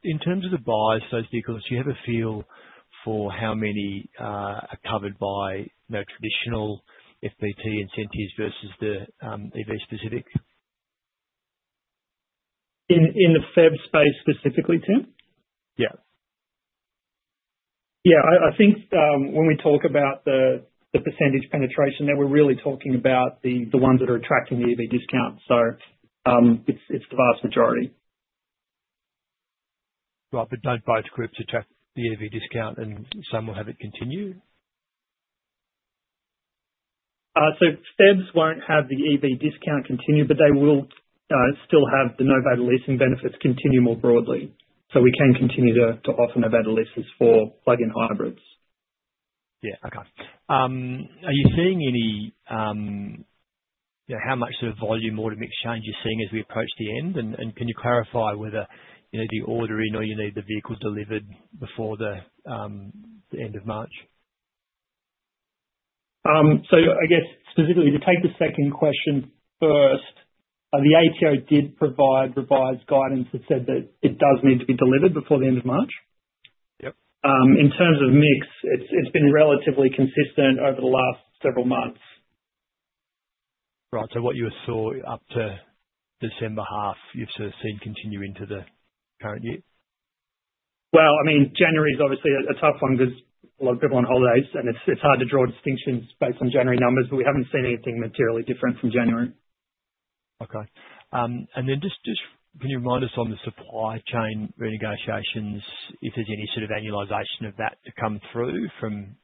In terms of the buys, those vehicles, do you have a feel for how many are covered by traditional FBT incentives versus the EV-specific? In the PHEV space specifically, Tim? Yeah. Yeah. I think when we talk about the percentage penetration, then we're really talking about the ones that are attracting the EV discount. So it's the vast majority. Right. But don't both groups attract the EV discount, and some will have it continue? So PHEVs won't have the EV discount continue, but they will still have the novated leasing benefits continue more broadly. So we can continue to offer novated leases for plug-in hybrids. Yeah. Okay. Are you seeing any how much sort of volume order mix change you're seeing as we approach the end? And can you clarify whether you need the order in or you need the vehicle delivered before the end of March? So I guess specifically, to take the second question first, the ATO did provide revised guidance that said that it does need to be delivered before the end of March. In terms of mix, it's been relatively consistent over the last several months. Right. So what you saw up to December half, you've sort of seen continue into the current year? Well, I mean, January is obviously a tough one because a lot of people are on holidays, and it's hard to draw distinctions based on January numbers, but we haven't seen anything materially different from January. Okay. And then just can you remind us on the supply chain renegotiations, if there's any sort of annualization of that to come through from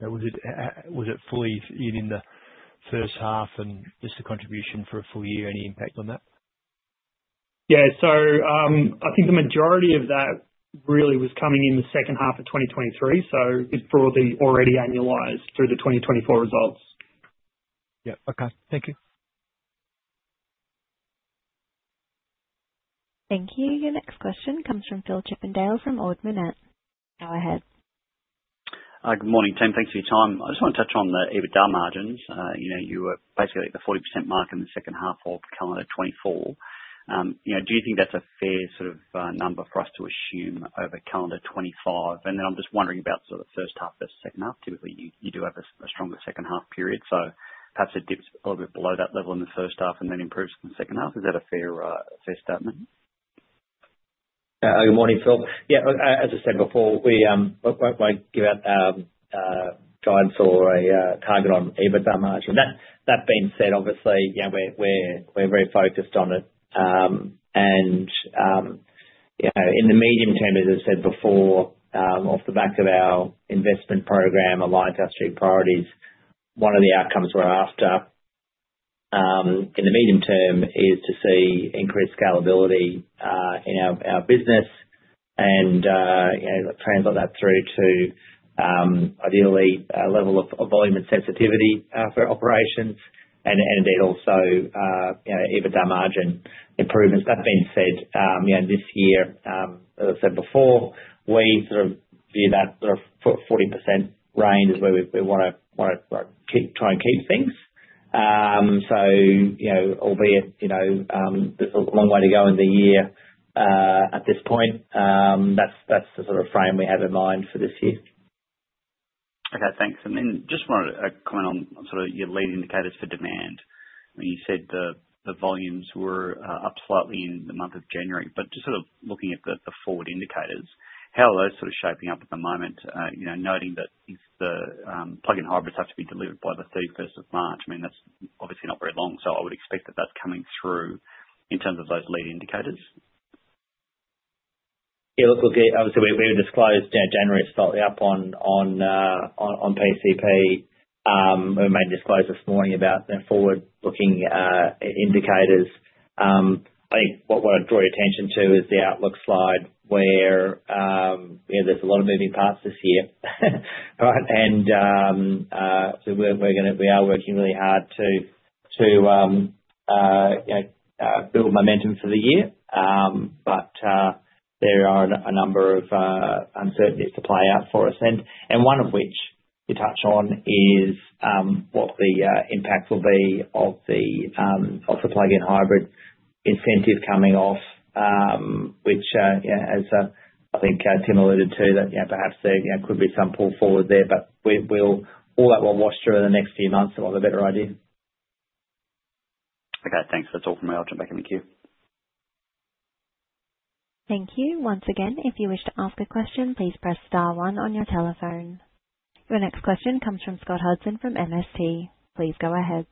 was it fully in the first half and just the contribution for a full year, any impact on that? Yeah. So I think the majority of that really was coming in the second half of 2023. So it's broadly already annualized through the 2024 results. Yeah. Okay. Thank you. Thank you. Your next question comes from Phil Chippendale from Ord Minnett. Go ahead. Good morning, Tim. Thanks for your time. I just want to touch on the EBITDA margins. You were basically at the 40% mark in the second half of calendar 2024. Do you think that's a fair sort of number for us to assume over calendar 2025? And then I'm just wondering about sort of the first half versus second half. Typically, you do have a stronger second half period. So perhaps it dips a little bit below that level in the first half and then improves in the second half. Is that a fair statement? Good morning, Phil. Yeah. As I said before, we won't give out guidance or a target on EBITDA margin. That being said, obviously, we're very focused on it, and in the medium term, as I said before, off the back of our investment program, aligned to our strategic priorities, one of the outcomes we're after in the medium term is to see increased scalability in our business and translate that through to ideally a level of volume and sensitivity for operations and indeed also EBITDA margin improvements. That being said, this year, as I said before, we sort of view that sort of 40% range as where we want to try and keep things. So, albeit there's a long way to go in the year at this point, that's the sort of frame we have in mind for this year. Okay. Thanks. Then just wanted a comment on sort of your lead indicators for demand. I mean, you said the volumes were up slightly in the month of January. But just sort of looking at the forward indicators, how are those sort of shaping up at the moment, noting that the plug-in hybrids have to be delivered by the 31st of March? I mean, that's obviously not very long. So I would expect that that's coming through in terms of those lead indicators. Yeah. Look, obviously, we disclosed January is slightly up on PCP. We made a disclosure this morning about the forward-looking indicators. I think what I'd draw your attention to is the outlook slide where there's a lot of moving parts this year. All right and so we are working really hard to build momentum for the year. But there are a number of uncertainties to play out for us. And one of which you touched on is what the impact will be of the plug-in hybrid incentive coming off, which, as I think Tim alluded to, that perhaps there could be some pull forward there. But all that will wash through in the next few months is a lot of better ideas. Okay. Thanks. That's all from me. I'll jump back in the queue. Thank you. Once again, if you wish to ask a question, please press star one on your telephone. Your next question comes from Scott Hudson from MST. Please go ahead.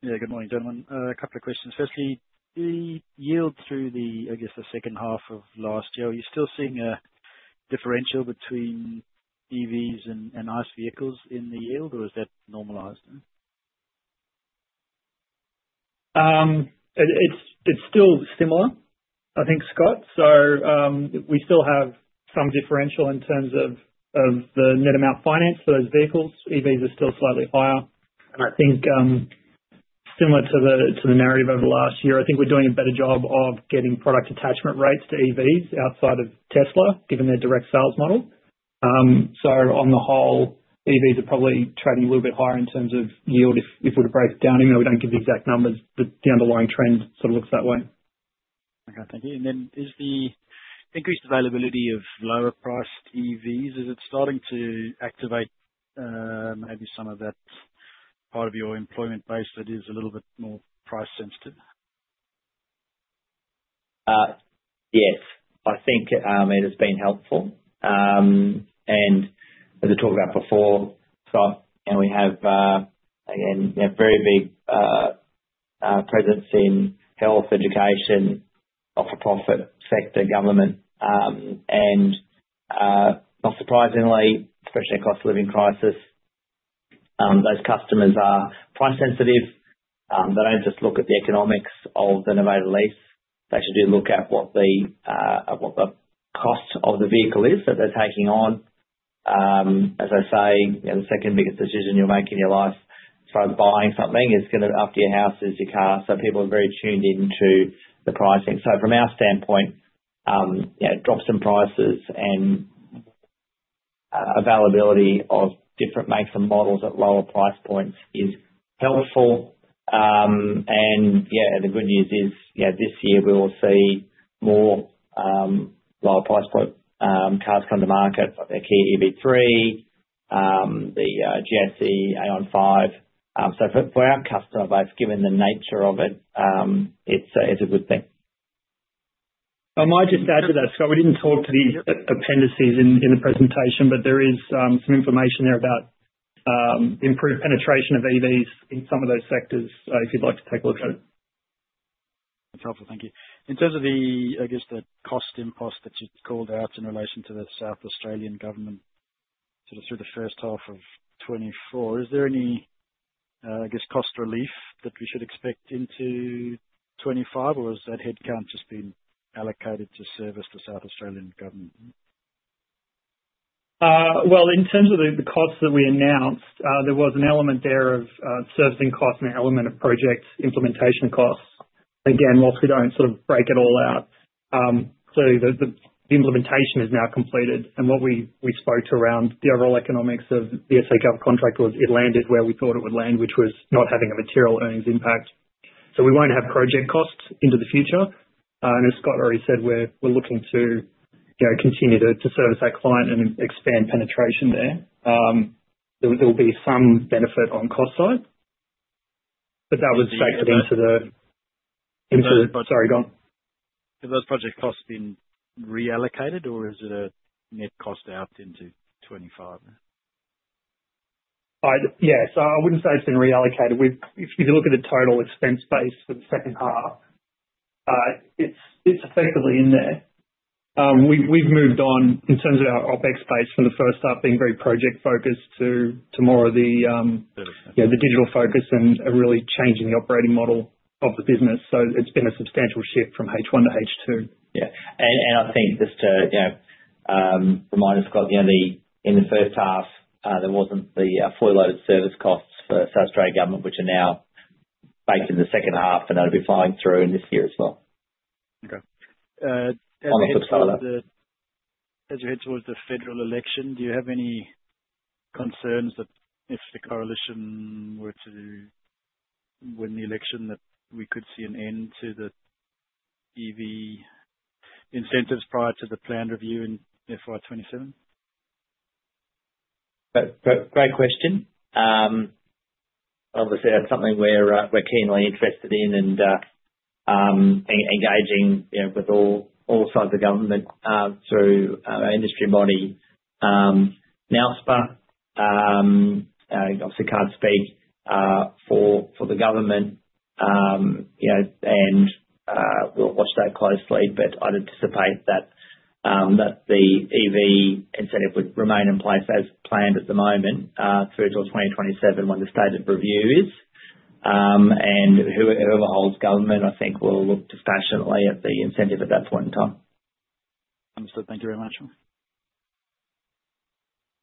Yeah. Good morning, gentlemen. A couple of questions. Firstly, the yields through the, I guess, the second half of last year, are you still seeing a differential between EVs and ICE vehicles in the yield, or has that normalized? It's still similar, I think, Scott. So we still have some differential in terms of the net amount financed for those vehicles. EVs are still slightly higher. And I think similar to the narrative over the last year, I think we're doing a better job of getting product attachment rates to EVs outside of Tesla, given their direct sales model. So on the whole, EVs are probably trading a little bit higher in terms of yield if we're to break it down. Even though we don't give the exact numbers, the underlying trend sort of looks that way. Okay. Thank you. And then is the increased availability of lower-priced EVs, is it starting to activate maybe some of that part of your employment base that is a little bit more price-sensitive? Yes. I think it has been helpful. As I talked about before, Scott, we have a very big presence in health, education, not-for-profit sector, government. Not surprisingly, especially across the living crisis, those customers are price-sensitive. They don't just look at the economics of the novated lease. They should do a look at what the cost of the vehicle is that they're taking on. As I say, the second biggest decision you're making in your life as far as buying something is going to be after your house is your car. People are very tuned into the pricing. From our standpoint, drops in prices and availability of different makes and models at lower price points is helpful. Yeah, the good news is this year we will see more lower-price cars come to market, like the Kia EV3, the GAC AION V. So for our customer, both given the nature of it, it's a good thing. I might just add to that, Scott. We didn't talk to the appendices in the presentation, but there is some information there about improved penetration of EVs in some of those sectors. So if you'd like to take a look at it. That's helpful. Thank you. In terms of the, I guess, the cost impost that you called out in relation to the South Australian Government sort of through the first half of 2024, is there any, I guess, cost relief that we should expect into 2025, or has that headcount just been allocated to service the South Australian Government? Well, in terms of the costs that we announced, there was an element there of servicing costs and an element of project implementation costs. Again, while we don't sort of break it all out, clearly the implementation is now completed. And what we spoke to around the overall economics of the SA Government contract was it landed where we thought it would land, which was not having a material earnings impact. So we won't have project costs into the future. As Scott already said, we're looking to continue to service our client and expand penetration there. There will be some benefit on cost side. But that was straight into the - sorry, go on. Have those project costs been reallocated, or is it a net cost out into 2025? Yeah. So I wouldn't say it's been reallocated. If you look at the total expense base for the second half, it's effectively in there. We've moved on in terms of our OpEx base from the first half being very project-focused to more of the digital focus and really changing the operating model of the business. So it's been a substantial shift from H1 to H2. Yeah. And I think just to remind us, Scott, in the first half, there wasn't the fully loaded service costs for South Australian Government, which are now baked in the second half, and that'll be flying through in this year as well. Okay. As you head towards the federal election, do you have any concerns that if the Coalition were to win the election, that we could see an end to the EV incentives prior to the plan review in FY2027? Great question. Obviously, that's something we're keenly interested in and engaging with all sides of government through our industry body, NALSPA. Obviously, can't speak for the government, and we'll watch that closely. But I'd anticipate that the EV incentive would remain in place as planned at the moment through till 2027 when the stated review is. And whoever holds government, I think, will look dispassionately at the incentive at that point in time. Understood. Thank you very much.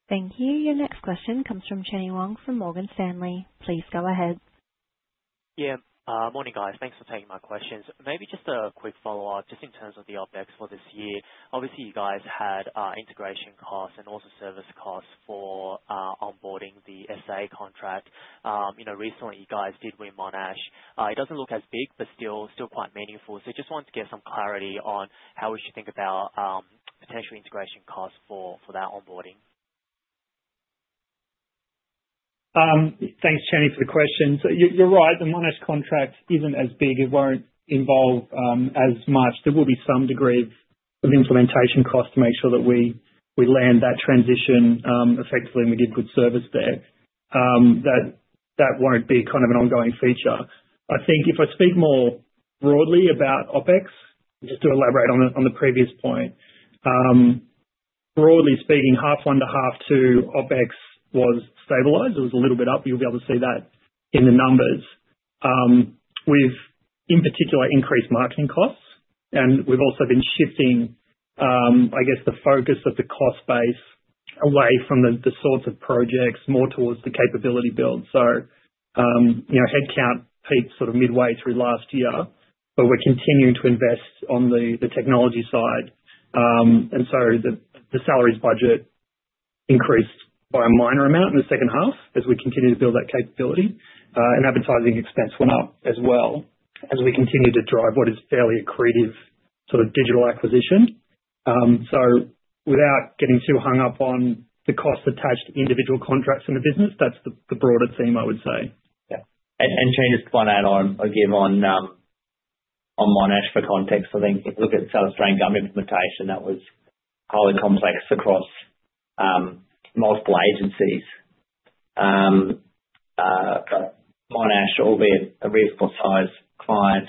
Thank you. Your next question comes from Jenny Wong from Morgan Stanley. Please go ahead. Yeah. Morning, guys. Thanks for taking my questions. Maybe just a quick follow-up, just in terms of the OpEx for this year. Obviously, you guys had integration costs and also service costs for onboarding the SA contract. Recently, you guys did win Monash. It doesn't look as big, but still quite meaningful. So just wanted to get some clarity on how we should think about potential integration costs for that onboarding. Thanks, Jenny, for the question. So you're right. The Monash contract isn't as big. It won't involve as much. There will be some degree of implementation costs to make sure that we land that transition effectively and we give good service there. That won't be kind of an ongoing feature. I think if I speak more broadly about OpEx, just to elaborate on the previous point, broadly speaking, half one to half two, OpEx was stabilized. It was a little bit up. You'll be able to see that in the numbers, with, in particular, increased marketing costs. And we've also been shifting, I guess, the focus of the cost base away from the sorts of projects, more towards the capability build. So headcount peaked sort of midway through last year, but we're continuing to invest on the technology side. The salaries budget increased by a minor amount in the second half as we continue to build that capability. Advertising expense went up as well as we continue to drive what is fairly accretive sort of digital acquisition. Without getting too hung up on the cost attached to individual contracts in the business, that's the broader theme, I would say. Yeah. Changes to one add-on I'll give on Monash for context. I think if you look at South Australian Government implementation, that was highly complex across multiple agencies. But Monash, albeit a reasonable size client,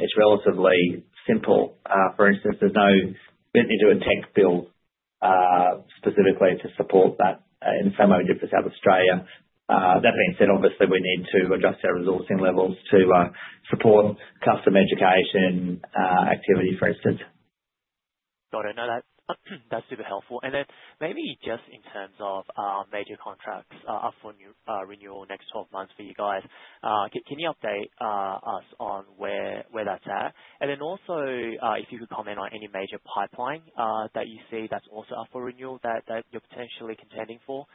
is relatively simple. For instance, there's no need to do a tech build specifically to support that in the same way we did for South Australia. That being said, obviously, we need to adjust our resourcing levels to support customer education activity, for instance. Got it. No, that's super helpful. And then maybe just in terms of major contracts up for renewal next 12 months for you guys, can you update us on where that's at? And then also if you could comment on any major pipeline that you see that's also up for renewal that you're potentially contending for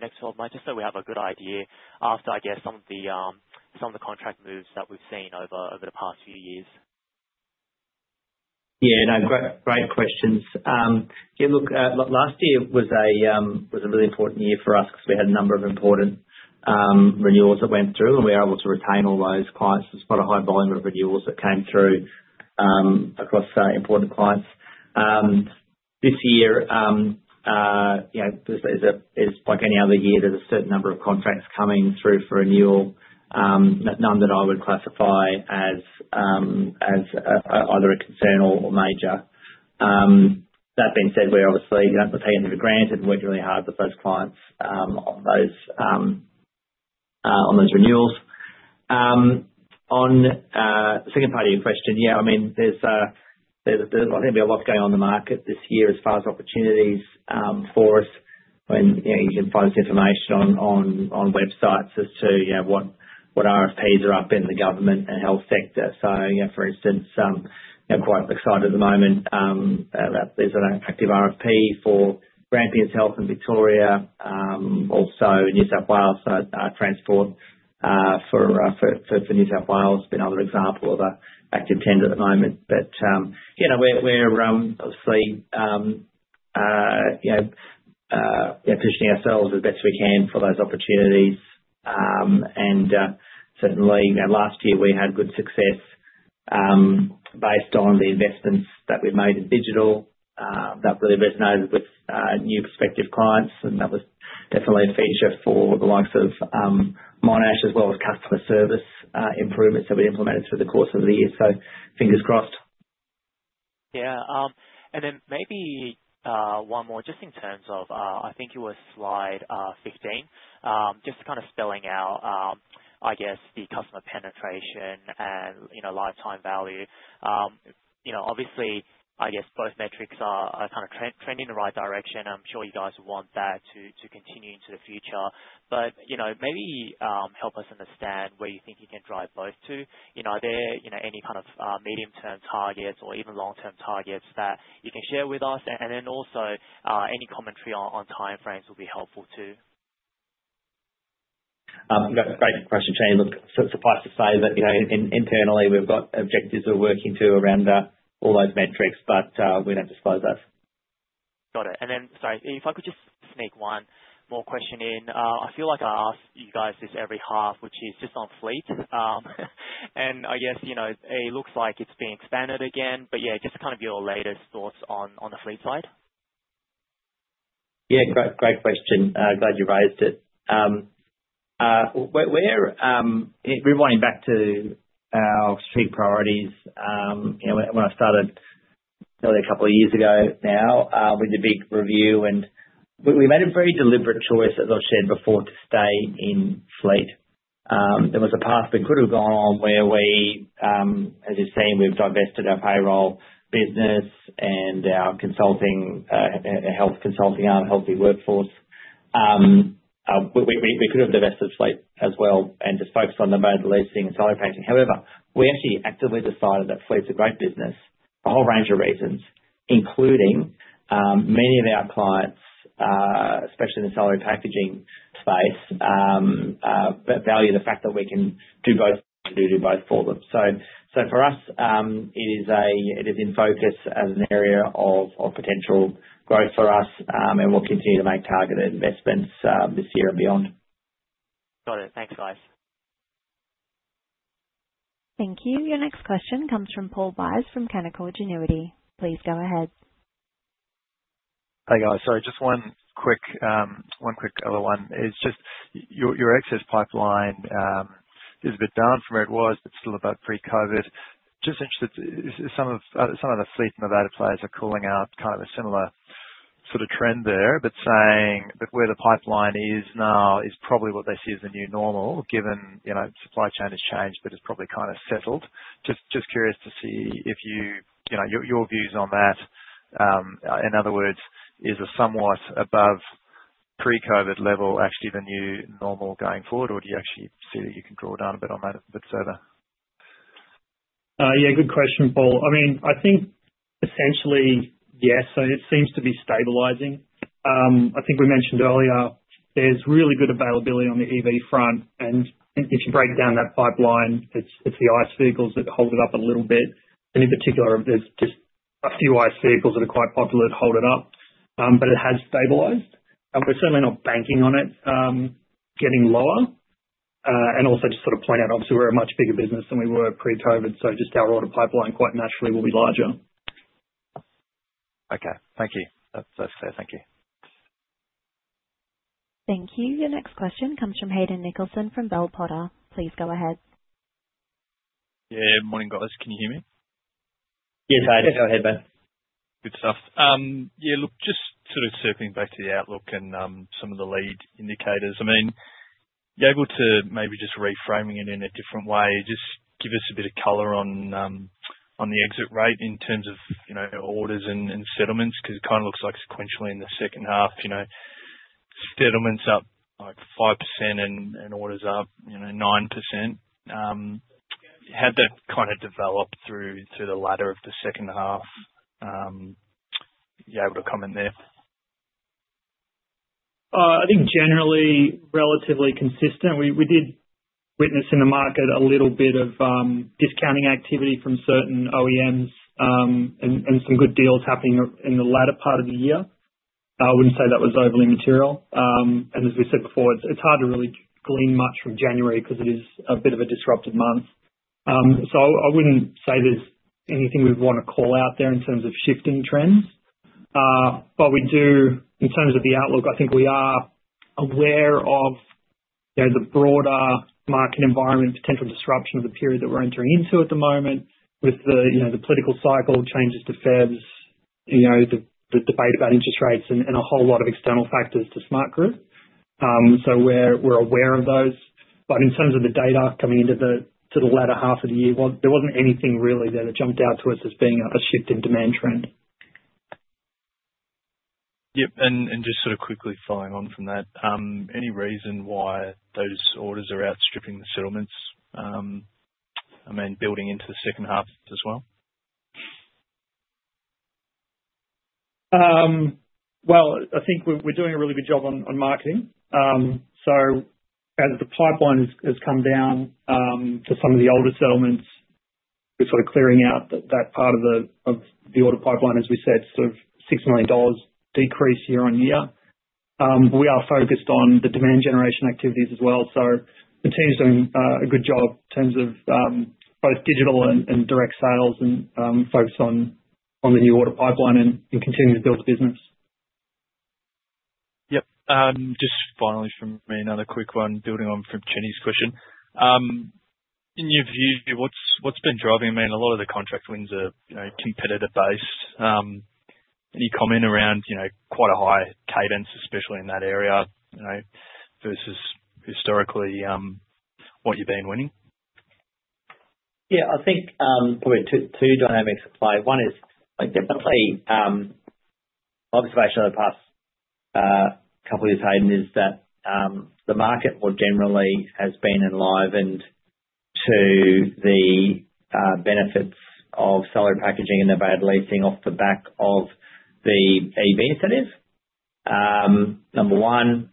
next 12 months, just so we have a good idea after, I guess, some of the contract moves that we've seen over the past few years. Yeah. No, great questions. Yeah. Look, last year was a really important year for us because we had a number of important renewals that went through, and we were able to retain all those clients. There's quite a high volume of renewals that came through across important clients. This year, as like any other year, there's a certain number of contracts coming through for renewal, none that I would classify as either a concern or major. That being said, we obviously are taking them for granted and working really hard with those clients on those renewals. On the second part of your question, yeah, I mean, there's obviously going to be a lot going on in the market this year as far as opportunities for us. I mean, you can find this information on websites as to what RFPs are up in the government and health sector. So for instance, quite excited at the moment about there's an active RFP for Grampians Health in Victoria. Also, Transport for New South Wales has been another example of an active tender at the moment. But yeah, we're obviously positioning ourselves as best we can for those opportunities. And certainly, last year we had good success based on the investments that we made in digital that really resonated with new perspective clients. And that was definitely a feature for the likes of Monash as well as customer service improvements that we implemented through the course of the year. So fingers crossed. Yeah. And then maybe one more, just in terms of I think it was slide 15, just kind of spelling out, I guess, the customer penetration and lifetime value. Obviously, I guess both metrics are kind of trending in the right direction. I'm sure you guys want that to continue into the future. But maybe help us understand where you think you can drive both to. Are there any kind of medium-term targets or even long-term targets that you can share with us? And then also any commentary on timeframes would be helpful too. That's a great question, Jenny. Look, suffice to say that internally we've got objectives we're working to around all those metrics, but we don't disclose those. Got it. And then, sorry, if I could just sneak one more question in. I feel like I ask you guys this every half, which is just on fleet. And I guess it looks like it's being expanded again. But yeah, just kind of your latest thoughts on the fleet side. Yeah. Great question. Glad you raised it. We're going back to our strategic priorities. When I started nearly a couple of years ago now, we did a big review, and we made a very deliberate choice, as I've shared before, to stay in fleet. There was a path we could have gone on where we, as you've seen, we've divested our payroll business and our health consulting, our Health-e-Workforce. We could have divested fleet as well and just focused on the mode of leasing and salary packaging. However, we actually actively decided that fleet's a great business for a whole range of reasons, including many of our clients, especially in the salary packaging space, value the fact that we can do both for them. So for us, it is in focus as an area of potential growth for us, and we'll continue to make targeted investments this year and beyond. Got it. Thanks, guys. Thank you. Your next question comes from Paul Buys from Canaccord Genuity. Please go ahead. Hi guys. Sorry, just one quick other one. It's just your EV sales pipeline is a bit down from where it was, but still about pre-COVID. Just interested, some of the fleet and the data players are calling out kind of a similar sort of trend there, but saying that where the pipeline is now is probably what they see as the new normal, given supply chain has changed, but it's probably kind of settled. Just curious to see your views on that. In other words, is a somewhat above pre-COVID level actually the new normal going forward, or do you actually see that you can draw down a bit on that a bit further? Yeah. Good question, Paul. I mean, I think essentially, yes. So it seems to be stabilizing. I think we mentioned earlier there's really good availability on the EV front. If you break down that pipeline, it's the ICE vehicles that hold it up a little bit. And in particular, there's just a few ICE vehicles that are quite popular that hold it up. But it has stabilized. And we're certainly not banking on it getting lower. And also just sort of point out, obviously, we're a much bigger business than we were pre-COVID. So just our order pipeline quite naturally will be larger. Okay. Thank you. That's fair. Thank you. Thank you. Your next question comes from Hayden Nicholson from Bell Potter. Please go ahead. Yeah. Morning, guys. Can you hear me? Yes, I do. Go ahead, man. Good stuff. Yeah. Look, just sort of circling back to the outlook and some of the lead indicators. I mean, you're able to maybe just reframe it in a different way. Just give us a bit of color on the exit rate in terms of orders and settlements because it kind of looks like sequentially in the second half, settlements up like 5% and orders up 9%. How'd that kind of develop through the latter of the second half? You able to comment there? I think generally relatively consistent. We did witness in the market a little bit of discounting activity from certain OEMs and some good deals happening in the latter part of the year. I wouldn't say that was overly material, and as we said before, it's hard to really glean much from January because it is a bit of a disruptive month, so I wouldn't say there's anything we'd want to call out there in terms of shifting trends. But in terms of the outlook, I think we are aware of the broader market environment, potential disruption of the period that we're entering into at the moment with the political cycle, changes to Feds, the debate about interest rates, and a whole lot of external factors to Smartgroup. So we're aware of those. But in terms of the data coming into the latter half of the year, there wasn't anything really there that jumped out to us as being a shift in demand trend. Yep. And just sort of quickly following on from that, any reason why those orders are outstripping the settlements, I mean, building into the second half as well? Well, I think we're doing a really good job on marketing. So as the pipeline has come down to some of the older settlements, we're sort of clearing out that part of the order pipeline, as we said, sort of $6 million decrease year on year. We are focused on the demand generation activities as well. So the team's doing a good job in terms of both digital and direct sales and focus on the new order pipeline and continuing to build the business. Yep. Just finally from me, another quick one building on from Jenny's question. In your view, what's been driving? I mean, a lot of the contract wins are competitor-based. Any comment around quite a high cadence, especially in that area versus historically what you've been winning? Yeah. I think probably two dynamics apply. One definite observation over the past couple of years, Hayden, is that the market more generally has been enlivened to the benefits of salary packaging and the novated leasing off the back of the EV incentives. Number one.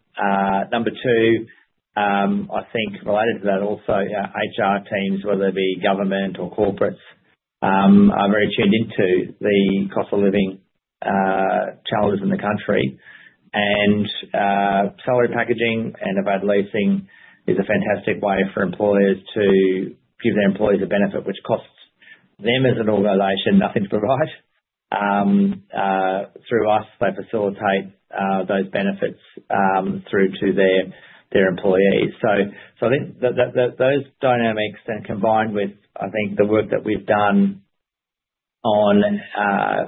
Number two, I think related to that also, HR teams, whether they be government or corporates, are very tuned into the cost of living challenges in the country, and salary packaging and novated leasing is a fantastic way for employers to give their employees a benefit, which costs them as an organization nothing to provide. Through us, they facilitate those benefits through to their employees. So, I think those dynamics, combined with, I think, the work that we've done on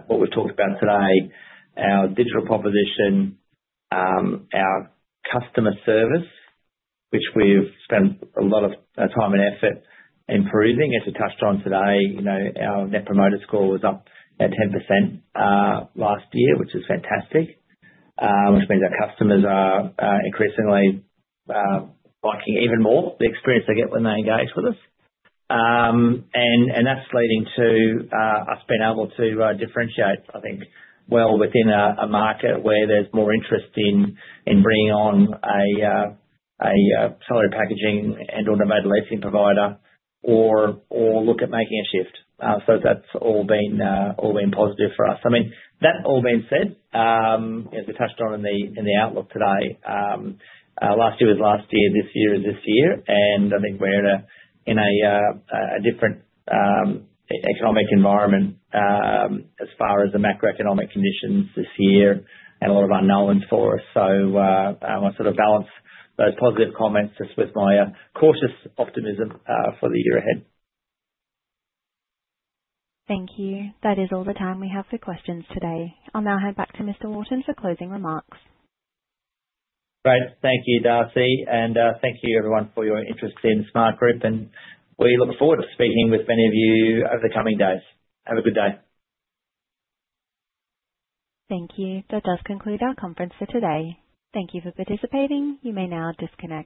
what we've talked about today, our digital proposition, our customer service, which we've spent a lot of time and effort improving, as you touched on today, our Net Promoter Score was up at 10% last year, which is fantastic, which means our customers are increasingly liking even more the experience they get when they engage with us, and that's leading to us being able to differentiate, I think, well within a market where there's more interest in bringing on a salary packaging and/or novated leasing provider or look at making a shift, so that's all been positive for us. I mean, that all being said, as we touched on in the outlook today, last year was last year. This year is this year. And I think we're in a different economic environment as far as the macroeconomic conditions this year and a lot of unknowns for us. So I sort of balance those positive comments just with my cautious optimism for the year ahead. Thank you. That is all the time we have for questions today. I'll now hand back to Mr. Wharton for closing remarks. Great. Thank you, Darcy. And thank you, everyone, for your interest in Smartgroup. And we look forward to speaking with many of you over the coming days. Have a good day. Thank you. That does conclude our conference for today. Thank you for participating. You may now disconnect.